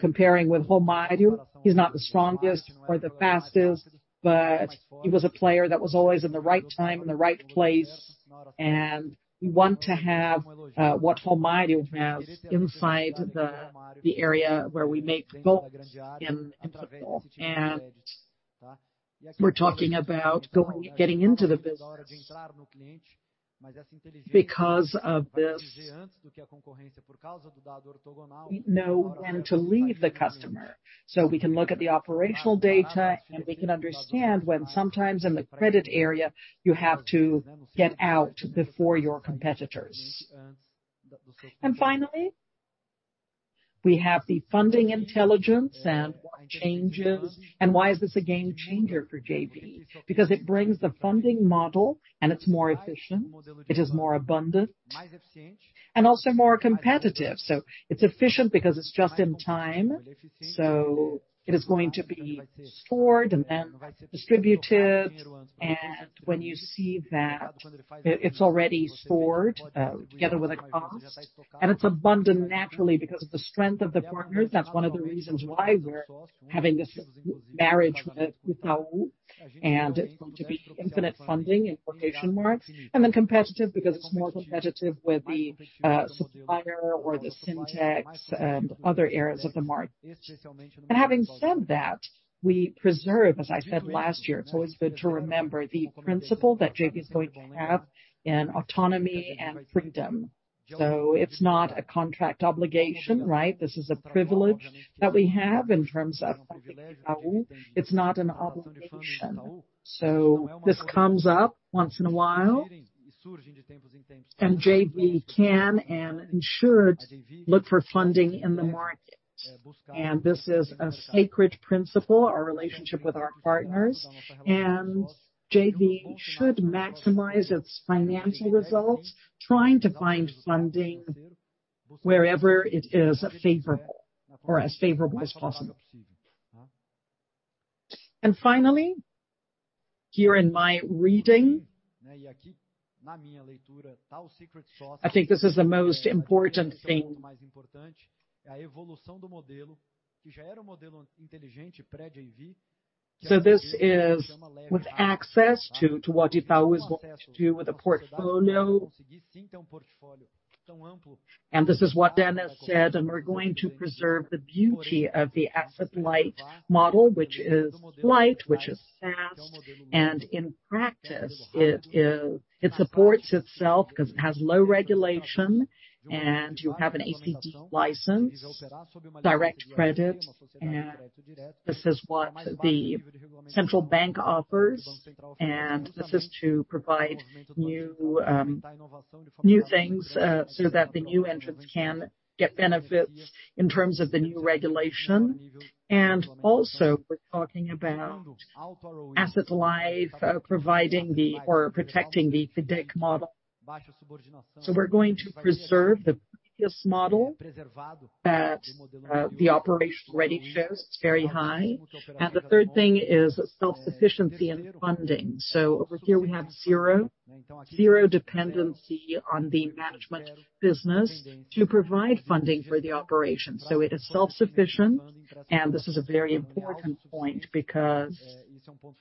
Comparing with Romário, he's not the strongest or the fastest, but he was a player that was always in the right time and the right place, and we want to have what Romário has inside the area where we make goals in football. We're talking about getting into the business. Because of this, we know when to leave the customer, so we can look at the operational data, and we can understand when sometimes in the credit area, you have to get out before your competitors. Finally, we have the funding intelligence and what changes. Why is this a game changer for JP? Because it brings the funding model, and it's more efficient, it is more abundant and also more competitive. It's efficient because it's just in time, it is going to be stored and then distributed. When you see that, it's already stored together with a cost, it's abundant naturally because of the strength of the partners. That's one of the reasons why we're having this marriage with Itaú, it's going to be infinite funding in quotation marks, competitive because it's more competitive with the supplier or the fintechs and other areas of the market. Having said that, we preserve, as I said last year, it's always good to remember the principle that JP is going to have in autonomy and freedom. It's not a contract obligation, right? This is a privilege that we have in terms of Itaú. It's not an obligation. This comes up once in a while, and JP can and should look for funding in the market. This is a sacred principle, our relationship with our partners, and JP should maximize its financial results, trying to find funding wherever it is favorable or as favorable as possible. Finally, here in my reading, I think this is the most important thing. This is with access to what Itaú is going to do with the portfolio. This is what Dennis said. We're going to preserve the beauty of the asset-light model, which is light, which is fast. In practice, it supports itself because it has low regulation and you have an APT license, direct credit. This is what the central bank offers. This is to provide new things so that the new entrants can get benefits in terms of the new regulation. Also, we're talking about asset-light, providing the or protecting the FIDC model. We're going to preserve the previous model that the operation ready shows it's very high. The third thing is self-sufficiency and funding. Over here, we have zero dependency on the management business to provide funding for the operation. It is self-sufficient, and this is a very important point because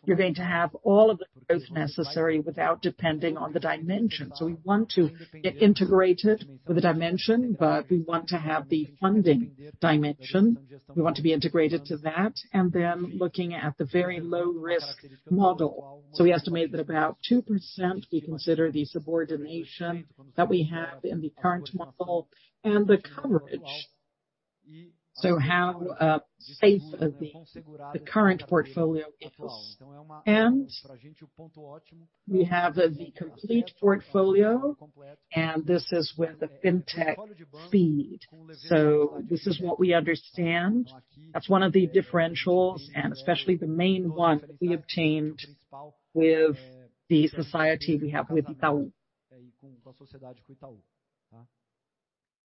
you're going to have all of the growth necessary without depending on the dimension. We want to get integrated with the dimension, but we want to have the funding dimension. We want to be integrated to that, and then looking at the very low risk model. We estimate that about 2%, we consider the subordination that we have in the current model and the coverage. How safe the current portfolio is. And we have the complete portfolio, and this is with the fintech feel. This is what we understand. That's one of the differentials, and especially the main one we obtained with the society we have with Itaú.